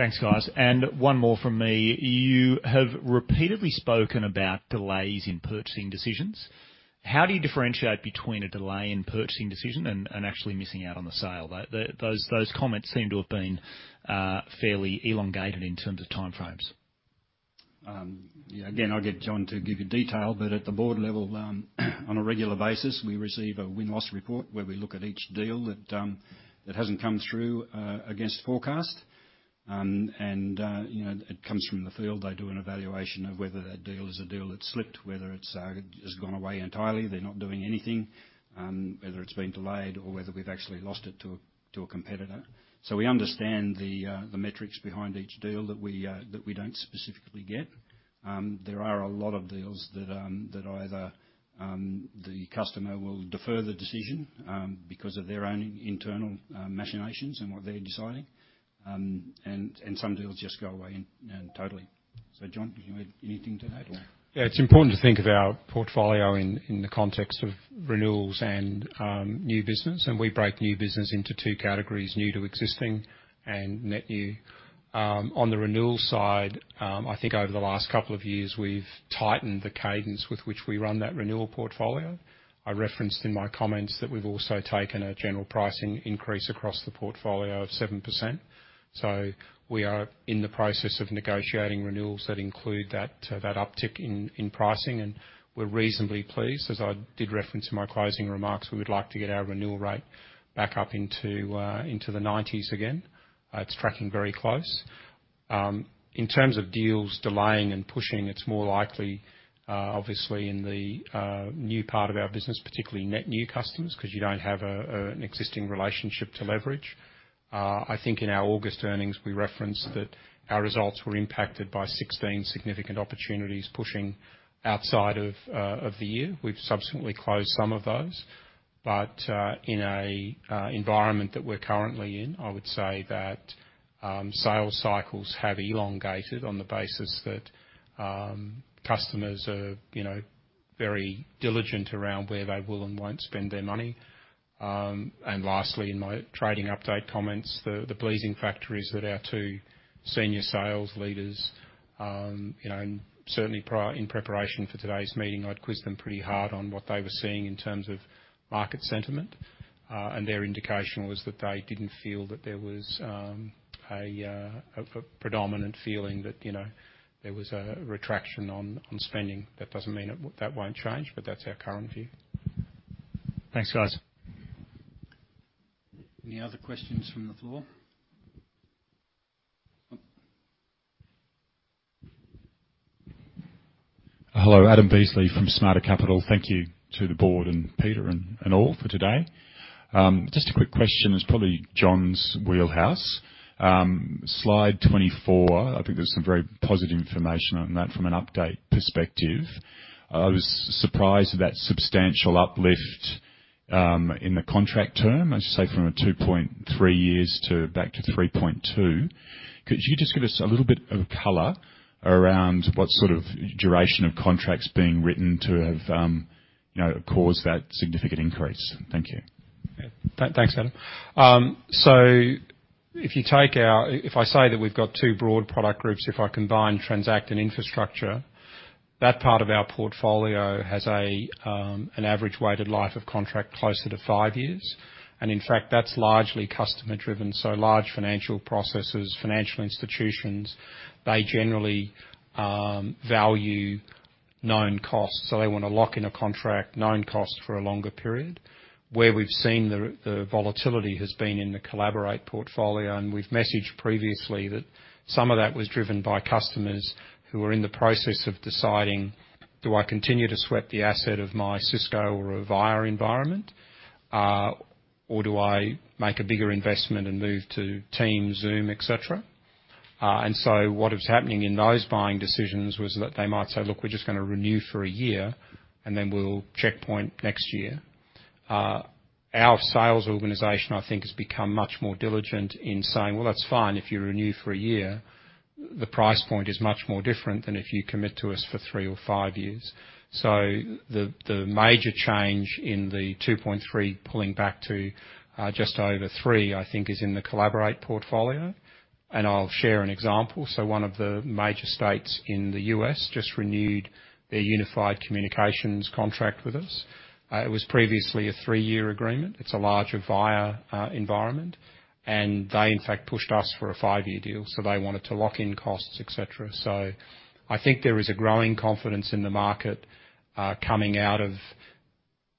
Thanks, guys. One more from me. You have repeatedly spoken about delays in purchasing decisions. How do you differentiate between a delay in purchasing decision and actually missing out on the sale? Those comments seem to have been fairly elongated in terms of time frames. Yeah, again, I'll get John to give you detail. At the board level, on a regular basis, we receive a win-loss report where we look at each deal that hasn't come through against forecast. You know, it comes from the field. They do an evaluation of whether that deal is a deal that slipped, whether it's just gone away entirely, they're not doing anything, whether it's been delayed or whether we've actually lost it to a competitor. We understand the metrics behind each deal that we don't specifically get. There are a lot of deals that either, the customer will defer the decision, because of their own internal, machinations and what they're deciding, and some deals just go away and totally. John, do you have anything to add or? Yeah, it's important to think of our portfolio in the context of renewals and new business, and we break new business into two categories, new to existing and net new. On the renewal side, I think over the last couple of years, we've tightened the cadence with which we run that renewal portfolio. I referenced in my comments that we've also taken a general pricing increase across the portfolio of 7%. We are in the process of negotiating renewals that include that uptick in pricing, and we're reasonably pleased. As I did reference in my closing remarks, we would like to get our renewal rate back up into the 90s again. It's tracking very close. In terms of deals delaying and pushing, it's more likely, obviously in the new part of our business, particularly net new customers, 'cause you don't have an existing relationship to leverage. I think in our August earnings, we referenced that our results were impacted by 16 significant opportunities pushing outside of the year. In an environment that we're currently in, I would say that sales cycles have elongated on the basis that customers are, you know, very diligent around where they will and won't spend their money, and lastly, in my trading update comments, the pleasing factor is that our two senior sales leaders, you know, and certainly in preparation for today's meeting, I'd quizzed them pretty hard on what they were seeing in terms of market sentiment. Their indication was that they didn't feel that there was a predominant feeling that, you know, there was a retraction on spending. That doesn't mean that won't change, but that's our current view. Thanks, guys. Any other questions from the floor? Oh. Hello. Adam Beesley from Smarter Capital. Thank you to the board and Peter and all for today. Just a quick question. It's probably John's wheelhouse. Slide 24, I think there's some very positive information on that from an update perspective. I was surprised at that substantial uplift in the contract term, as you say, from a 2.3 years to back to 3.2. Could you just give us a little bit of color around what sort of duration of contracts being written to have, you know, caused that significant increase? Thank you. Thanks, Adam. If I say that we've got two broad product groups, if I combine Transact and Infrastructure, that part of our portfolio has an average weighted life of contract closer to five years. In fact, that's largely customer driven, large financial processes, financial institutions, they generally value known costs. They wanna lock in a contract, known cost for a longer period. Where we've seen the volatility has been in the Collaborate portfolio, and we've messaged previously that some of that was driven by customers who are in the process of deciding, do I continue to sweat the asset of my Cisco or Avaya environment, or do I make a bigger investment and move to Teams, Zoom, et cetera. What was happening in those buying decisions was that they might say, "Look, we're just gonna renew for a year, and then we'll checkpoint next year." Our sales organization, I think, has become much more diligent in saying, "Well, that's fine. If you renew for a year, the price point is much more different than if you commit to us for three or five years." The major change in the 2.3 pulling back to just over three, I think, is in the Collaborate portfolio. I'll share an example. One of the major states in the U.S. just renewed their unified communications contract with us. It was previously a three-year agreement. It's a larger Avaya environment. They, in fact, pushed us for a five-year deal, so they wanted to lock in costs, et cetera. I think there is a growing confidence in the market, coming out of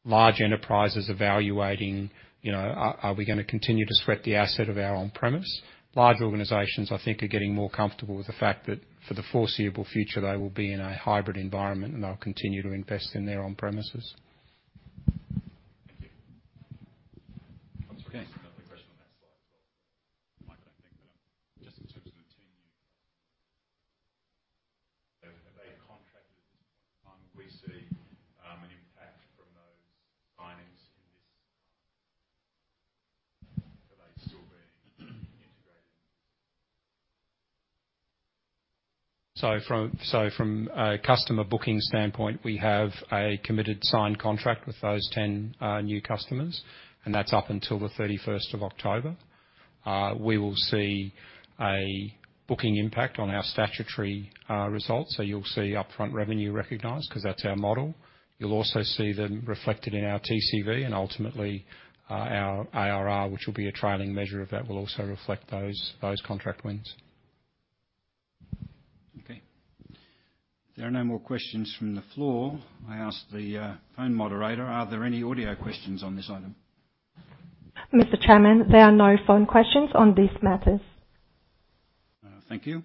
large enterprises evaluating, you know, are we gonna continue to sweat the asset of our on-premise? Large organizations, I think, are getting more comfortable with the fact that for the foreseeable future, they will be in a hybrid environment, and they'll continue to invest in their on-premises. Thank you. Okay. I'm sorry. Just another question on that slide as well. Just in terms of the 10 new customers. Have they contracted at this point in time? Do we see an impact from those signings in this? From a customer booking standpoint, we have a committed signed contract with those 10 new customers, that's up until the 31st of October. We will see a booking impact on our statutory results. You'll see upfront revenue recognized 'cause that's our model. You'll also see them reflected in our TCV and ultimately, our IRR, which will be a trailing measure of that, will also reflect those contract wins. Okay. If there are no more questions from the floor, I ask the phone moderator, are there any audio questions on this item? Mr. Chairman, there are no phone questions on these matters. Thank you.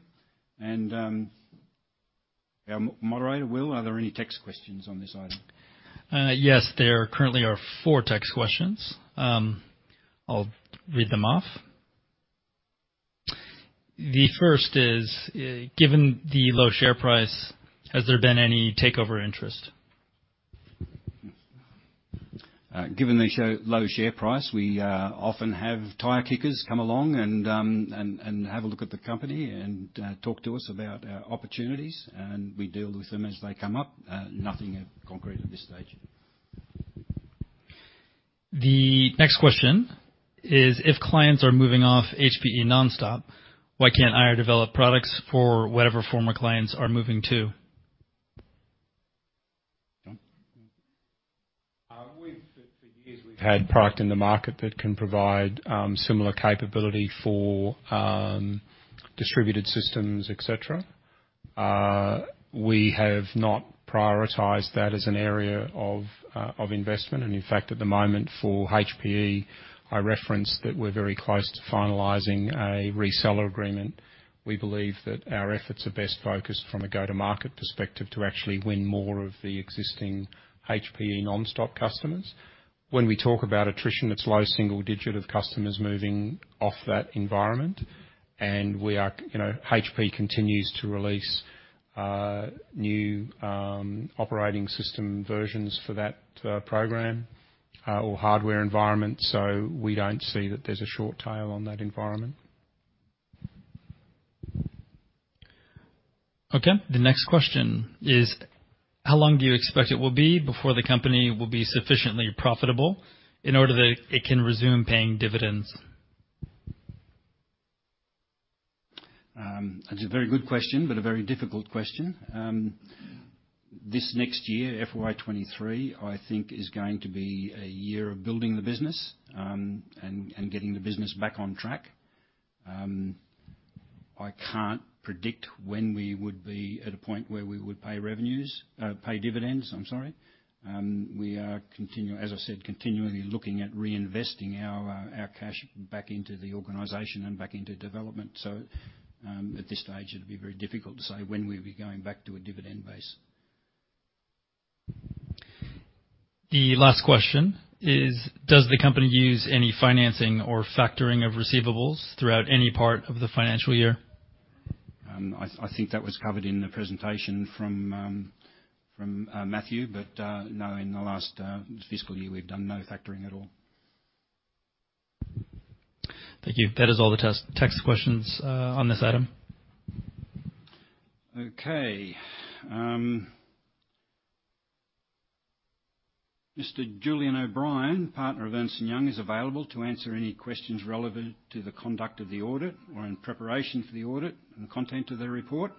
Our moderator, Will, are there any text questions on this item? Yes, there currently are four text questions. I'll read them off. The first is, given the low share price, has there been any takeover interest? Given the low share price, we often have tire kickers come along and have a look at the company and talk to us about our opportunities. We deal with them as they come up. Nothing concrete at this stage. The next question is: If clients are moving off HPE NonStop, why can't IR develop products for whatever former clients are moving to? For years we've had product in the market that can provide similar capability for distributed systems, et cetera. We have not prioritized that as an area of investment. In fact, at the moment for HPE, I referenced that we're very close to finalizing a reseller agreement. We believe that our efforts are best focused from a go-to-market perspective to actually win more of the existing HPE NonStop customers. When we talk about attrition, it's low single digit of customers moving off that environment. We are, you know, HPE continues to release new operating system versions for that program or hardware environment. We don't see that there's a short tail on that environment. The next question is: How long do you expect it will be before the company will be sufficiently profitable in order that it can resume paying dividends? That's a very good question but a very difficult question. This next year, FY23, I think is going to be a year of building the business and getting the business back on track. I can't predict when we would be at a point where we would pay revenues, pay dividends, I'm sorry. We are, as I said, continually looking at reinvesting our cash back into the organization and back into development. At this stage, it'd be very difficult to say when we'll be going back to a dividend base. The last question is: Does the company use any financing or factoring of receivables throughout any part of the financial year? I think that was covered in the presentation from Matthew. No, in the last fiscal year, we've done no factoring at all. Thank you. That is all the test, text questions on this item. Okay. Mr. Julian O'Brien, partner of Ernst & Young, is available to answer any questions relevant to the conduct of the audit or in preparation for the audit and content of the report.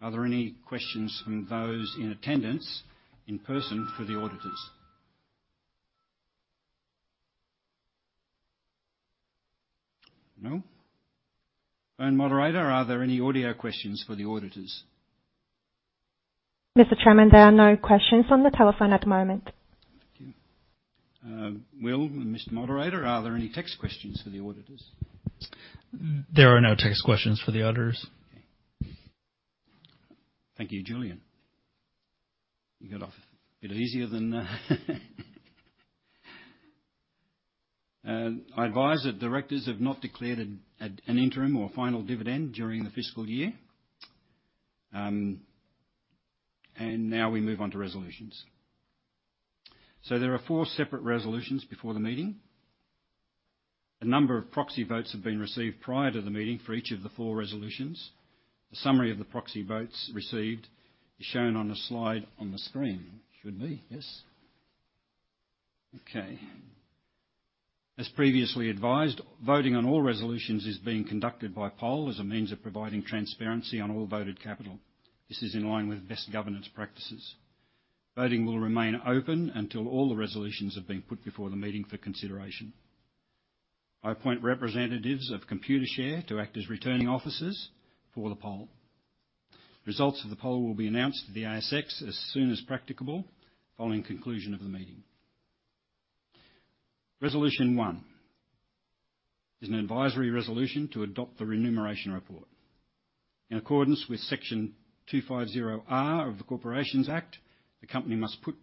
Are there any questions from those in attendance in person for the auditors? No? Phone moderator, are there any audio questions for the auditors? Mr. Chairman, there are no questions on the telephone at the moment. Thank you. Mr. Moderator, are there any text questions for the auditors? There are no text questions for the auditors. Thank you. Julian. You got off a bit easier than I advise that directors have not declared an interim or final dividend during the fiscal year. Now we move on to resolutions. There are four separate resolutions before the meeting. A number of proxy votes have been received prior to the meeting for each of the four resolutions. A summary of the proxy votes received is shown on the slide on the screen. Should be, yes? Okay. As previously advised, voting on all resolutions is being conducted by poll as a means of providing transparency on all voted capital. This is in line with best governance practices. Voting will remain open until all the resolutions have been put before the meeting for consideration. I appoint representatives of Computershare to act as Returning Officers for the poll. Results of the poll will be announced to the ASX as soon as practicable following conclusion of the meeting. Resolution one is an advisory resolution to adopt the Remuneration Report. In accordance with Section 250R of the Corporations Act, the company must put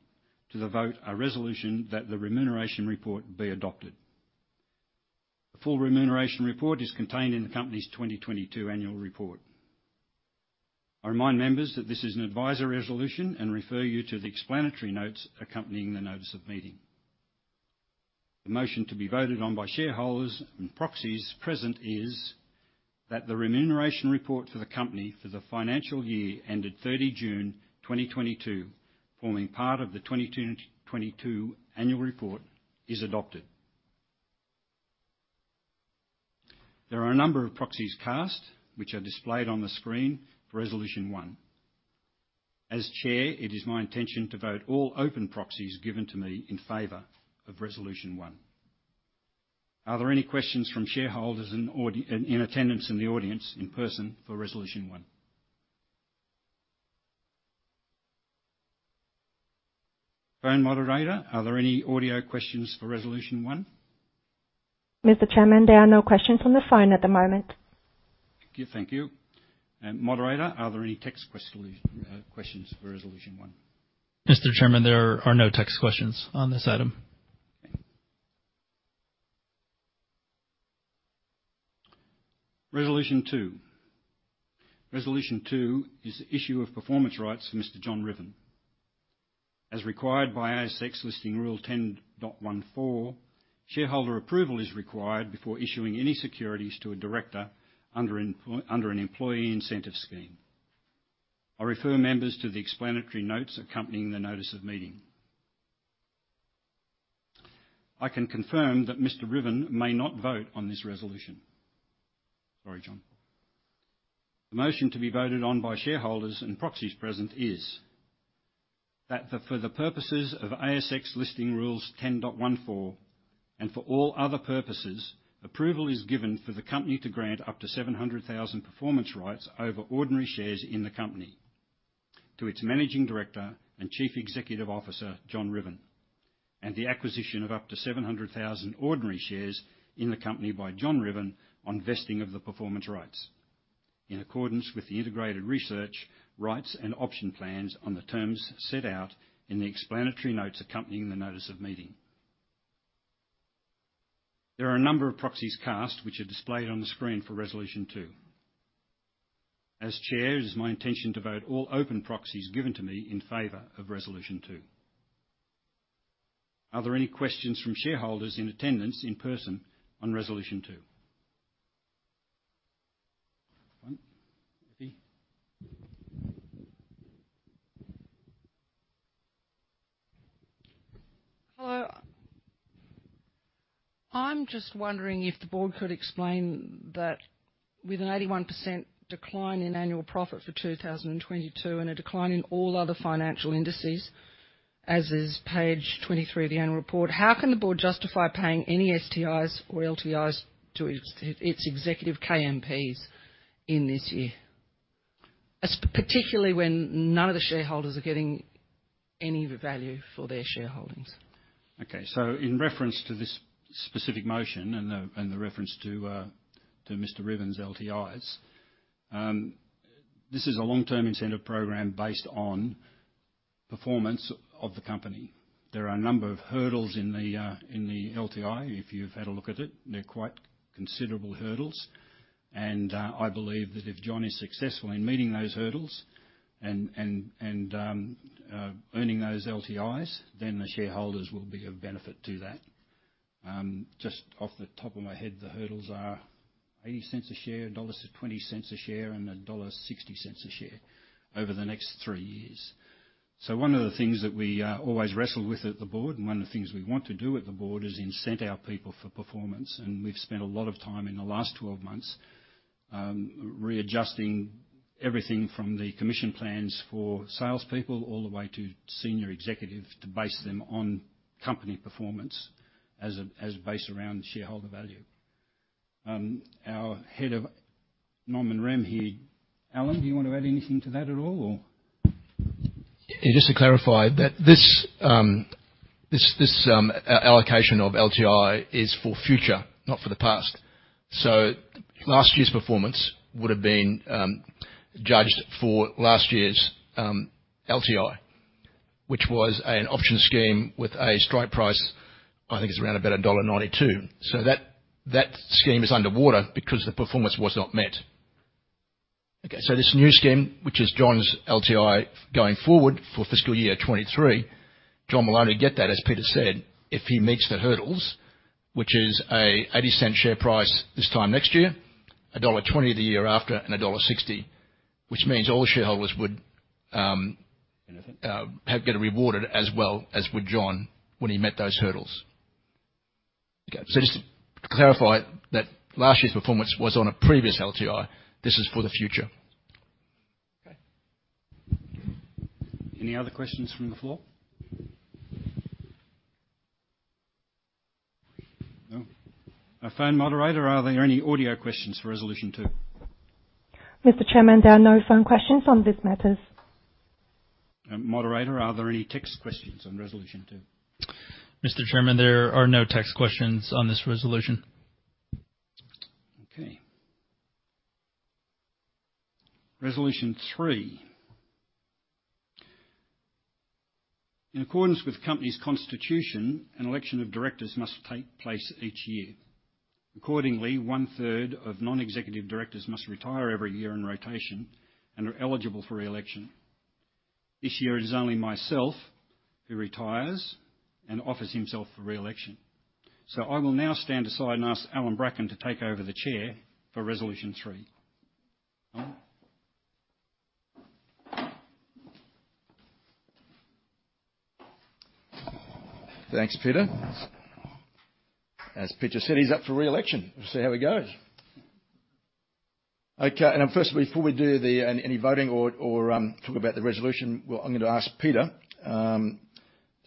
to the vote a resolution that the Remuneration Report be adopted. The full Remuneration Report is contained in the company's 2022 annual report. I remind members that this is an advisory resolution and refer you to the explanatory notes accompanying the notice of meeting. The motion to be voted on by shareholders and proxies present is that the Remuneration Report for the company for the financial year ended 30 June 2022, forming part of the 2022 annual report, is adopted. There are a number of proxies cast, which are displayed on the screen for Resolution one. As Chair, it is my intention to vote all open proxies given to me in favor of resolution one. Are there any questions from shareholders in attendance in the audience in person for resolution one? Phone moderator, are there any audio questions for resolution one? Mr. Chairman, there are no questions on the phone at the moment. Okay. Thank you. Moderator, are there any text questions for Resolution 1? Mr. Chairman, there are no text questions on this item. Resolution two. Resolution two is the issue of performance rights for Mr. John Ruthven. Required by ASX Listing Rule 10.14, shareholder approval is required before issuing any securities to a director under an employee incentive scheme. I refer members to the explanatory notes accompanying the notice of meeting. I can confirm that Mr. Ruthven may not vote on this resolution. Sorry, John. The motion to be voted on by shareholders and proxies present is that for the purposes of ASX Listing Rule 10.14 and for all other purposes, approval is given for the company to grant up to 700,000 performance rights over ordinary shares in the company to its Managing Director and Chief Executive Officer, John Ruthven, and the acquisition of up to 700,000 ordinary shares in the company by John Ruthven on vesting of the performance rights in accordance with the Integrated Research Rights and Option Plans on the terms set out in the explanatory notes accompanying the notice of meeting. There are a number of proxies cast which are displayed on the screen for resolution two. As Chair, it is my intention to vote all open proxies given to me in favor of resolution two. Are there any questions from shareholders in attendance in person on resolution two? 1. Debbie. Hello. I'm just wondering if the board could explain that with an 81% decline in annual profit for 2022 and a decline in all other financial indices, as is page 23 of the annual report, how can the board justify paying any STIs or LTIs to ex-its executive KMPs in this year? Particularly when none of the shareholders are getting any of the value for their shareholdings. In reference to this specific motion and the reference to Mr. Ruthven's LTIs, this is a long-term incentive program based on performance of the company. There are a number of hurdles in the LTI. If you've had a look at it, they're quite considerable hurdles. I believe that if John is successful in meeting those hurdles and earning those LTIs, then the shareholders will be of benefit to that. Just off the top of my head, the hurdles are 0.80 a share, dollar 1.20 a share, and dollar 1.60 a share over the next three years. One of the things that we always wrestle with at the board and one of the things we want to do at the board is incent our people for performance. We've spent a lot of time in the last 12 months, readjusting everything from the commission plans for salespeople all the way to senior executive to base them on company performance as based around shareholder value. Our head of nom and rem here, Allan, do you want to add anything to that at all or? Yeah, just to clarify that this allocation of LTI is for future, not for the past. Last year's performance would have been judged for last year's LTI, which was an option scheme with a strike price, I think it's around about dollar 1.92. That scheme is underwater because the performance was not met. Okay, this new scheme, which is John's LTI going forward for fiscal year 2023, John will only get that, as Peter said, if he meets the hurdles, which is a 0.80 share price this time next year, dollar 1.20 the year after, and dollar 1.60, which means all the shareholders would, Benefit. Get rewarded as well as would John when he met those hurdles. Okay. Just to clarify that last year's performance was on a previous LTI. This is for the future. Okay. Any other questions from the floor? No. Phone moderator, are there any audio questions for resolution two? Mr. Chairman, there are no phone questions on these matters. Moderator, are there any text questions on resolution two? Mr. Chairman, there are no text questions on this resolution. Resolution three. In accordance with the company's constitution, an election of directors must take place each year. Accordingly, one-third of non-executive directors must retire every year in rotation and are eligible for re-election. This year, it is only myself who retires and offers himself for re-election. I will now stand aside and ask Allan Brackin to take over the chair for Resolution three. Allan? Thanks, Peter. As Peter said, he's up for re-election. We'll see how it goes. Okay, firstly, before we do any voting or talk about the resolution, I'm going to ask Peter to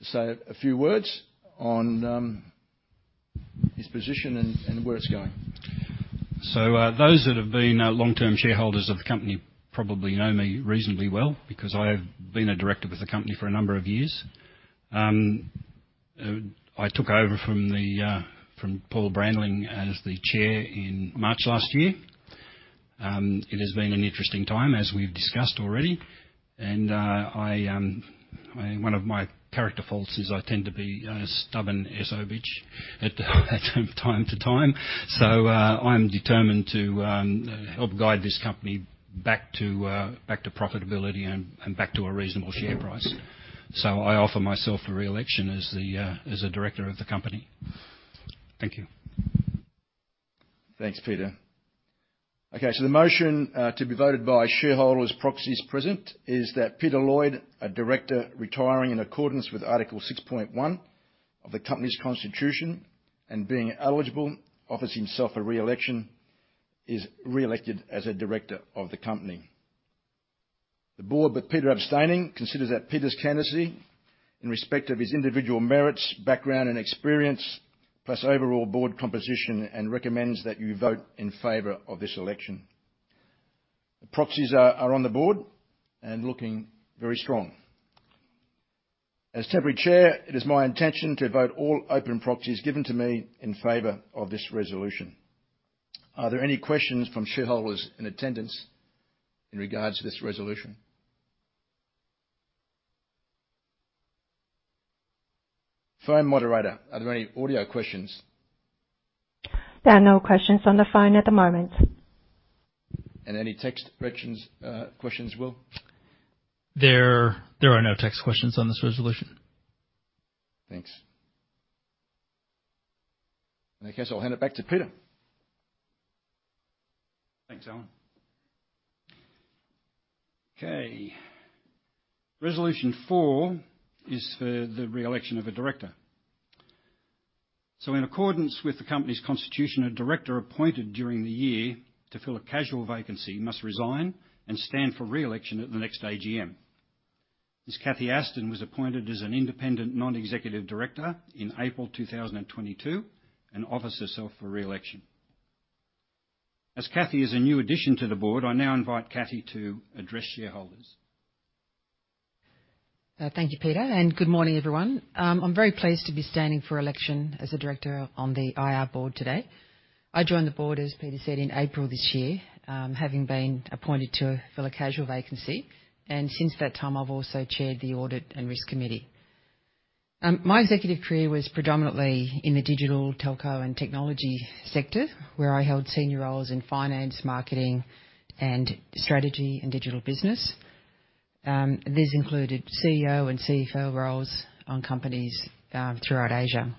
say a few words on his position and where it's going. Those that have been long-term shareholders of the company probably know me reasonably well because I have been a director with the company for a number of years. I took over from the from Paul Brandling as the chair in March last year. It has been an interesting time as we've discussed already, and One of my character faults is I tend to be stubborn as a bitch at time to time. I'm determined to help guide this company back to profitability and back to a reasonable share price. I offer myself for reelection as the as a director of the company. Thank you. Thanks, Peter. Okay, the motion to be voted by shareholders' proxies present is that Peter Lloyd, a director retiring in accordance with Article 6.1 of the company's constitution and being eligible, offers himself for reelection, is reelected as a director of the company. The board, with Peter abstaining, considers that Peter's candidacy in respect of his individual merits, background, and experience, plus overall board composition, and recommends that you vote in favor of this election. The proxies are on the board and looking very strong. As temporary chair, it is my intention to vote all open proxies given to me in favor of this resolution. Are there any questions from shareholders in attendance in regards to this resolution? Phone moderator, are there any audio questions? There are no questions on the phone at the moment. Any text questions, Will? There are no text questions on this resolution. Thanks. In that case, I'll hand it back to Peter. Thanks, Allan. Okay, Resolution four is for the reelection of a director. In accordance with the company's constitution, a director appointed during the year to fill a casual vacancy must resign and stand for reelection at the next AGM. Cathy Aston was appointed as an Independent Non-Executive Director in April 2022, and offers herself for reelection. Cathy is a new addition to the board, I now invite Cathy to address shareholders. Thank you, Peter, good morning, everyone. I'm very pleased to be standing for election as a director on the IR board today. I joined the board, as Peter said, in April this year, having been appointed to fill a casual vacancy, and since that time, I've also chaired the Audit and Risk Committee. My executive career was predominantly in the digital telco and technology sector, where I held senior roles in finance, marketing and strategy and digital business. These included CEO and CFO roles on companies throughout Asia.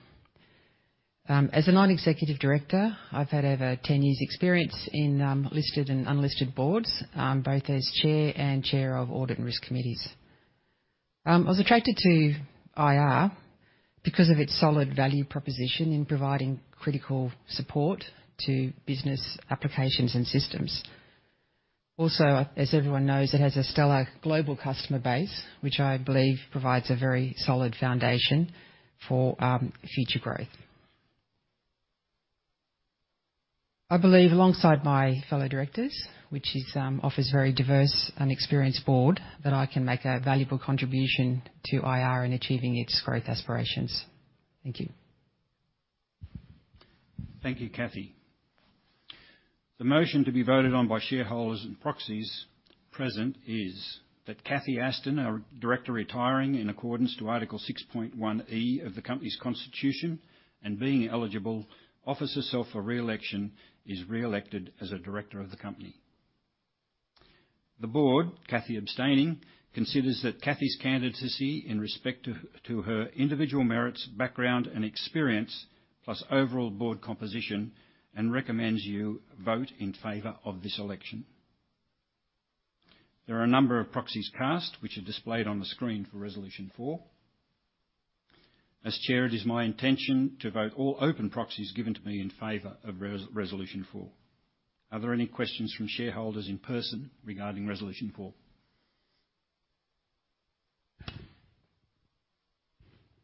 As a non-executive director, I've had over 10 years' experience in listed and unlisted boards, both as chair and chair of audit and risk committees. I was attracted to IR because of its solid value proposition in providing critical support to business applications and systems. As everyone knows, it has a stellar global customer base, which I believe provides a very solid foundation for future growth. I believe alongside my fellow directors, which is offers very diverse and experienced board, that I can make a valuable contribution to IR in achieving its growth aspirations. Thank you. Thank you, Cathy. The motion to be voted on by shareholders and proxies present is that Cathy Aston, our director retiring in accordance to Article 6.1E of the company's constitution, and being eligible, offers herself for reelection, is reelected as a director of the company. The board, Cathy abstaining, considers that Cathy's candidacy in respect to her individual merits, background, and experience, plus overall board composition, recommends you vote in favor of this election. There are a number of proxies cast which are displayed on the screen for resolution four. As chair, it is my intention to vote all open proxies given to me in favor of resolution four. Are there any questions from shareholders in person regarding resolution four?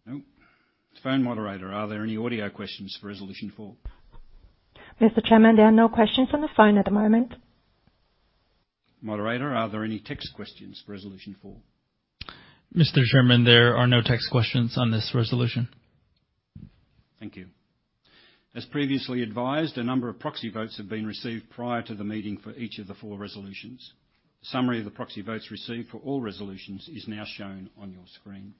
No. Phone moderator, are there any audio questions for resolution four? Mr. Chairman, there are no questions on the phone at the moment. Moderator, are there any text questions for resolution four? Mr. Chairman, there are no text questions on this resolution. Thank you. As previously advised, a number of proxy votes have been received prior to the meeting for each of the four resolutions. Summary of the proxy votes received for all resolutions is now shown on your screen.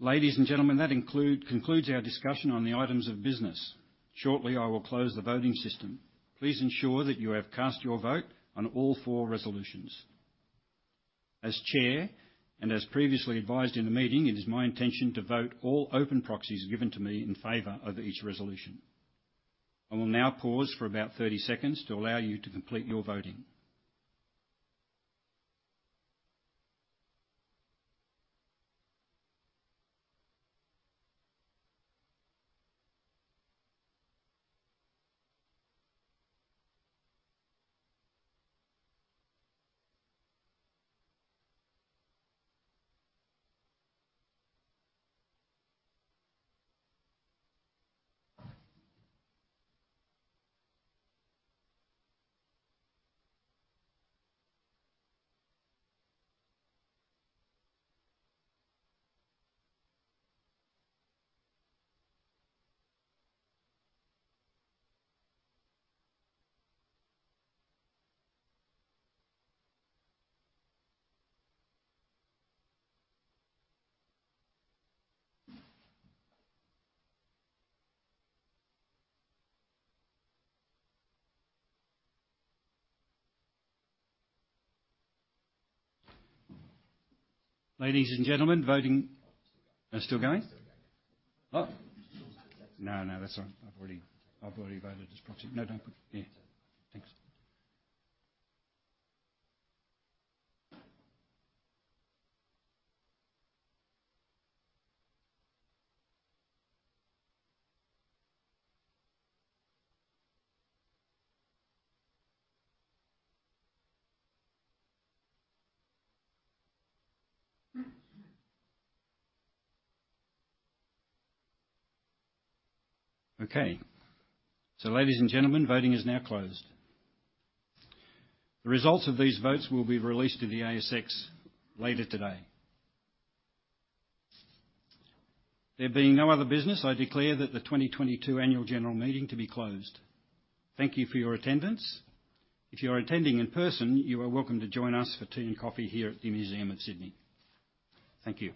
Ladies and gentlemen, that concludes our discussion on the items of business. Shortly, I will close the voting system. Please ensure that you have cast your vote on all four resolutions. As chair, as previously advised in the meeting, it is my intention to vote all open proxies given to me in favor of each resolution. I will now pause for about 30 seconds to allow you to complete your voting. Ladies and gentlemen, voting... Oh, still going? Still going. No, no, that's all right. I've already voted this proxy. No. Yeah. Thanks. Okay. Ladies and gentlemen, voting is now closed. The results of these votes will be released to the ASX later today. There being no other business, I declare that the 2022 annual general meeting to be closed. Thank you for your attendance. If you are attending in person, you are welcome to join us for tea and coffee here at the Museum of Sydney. Thank you.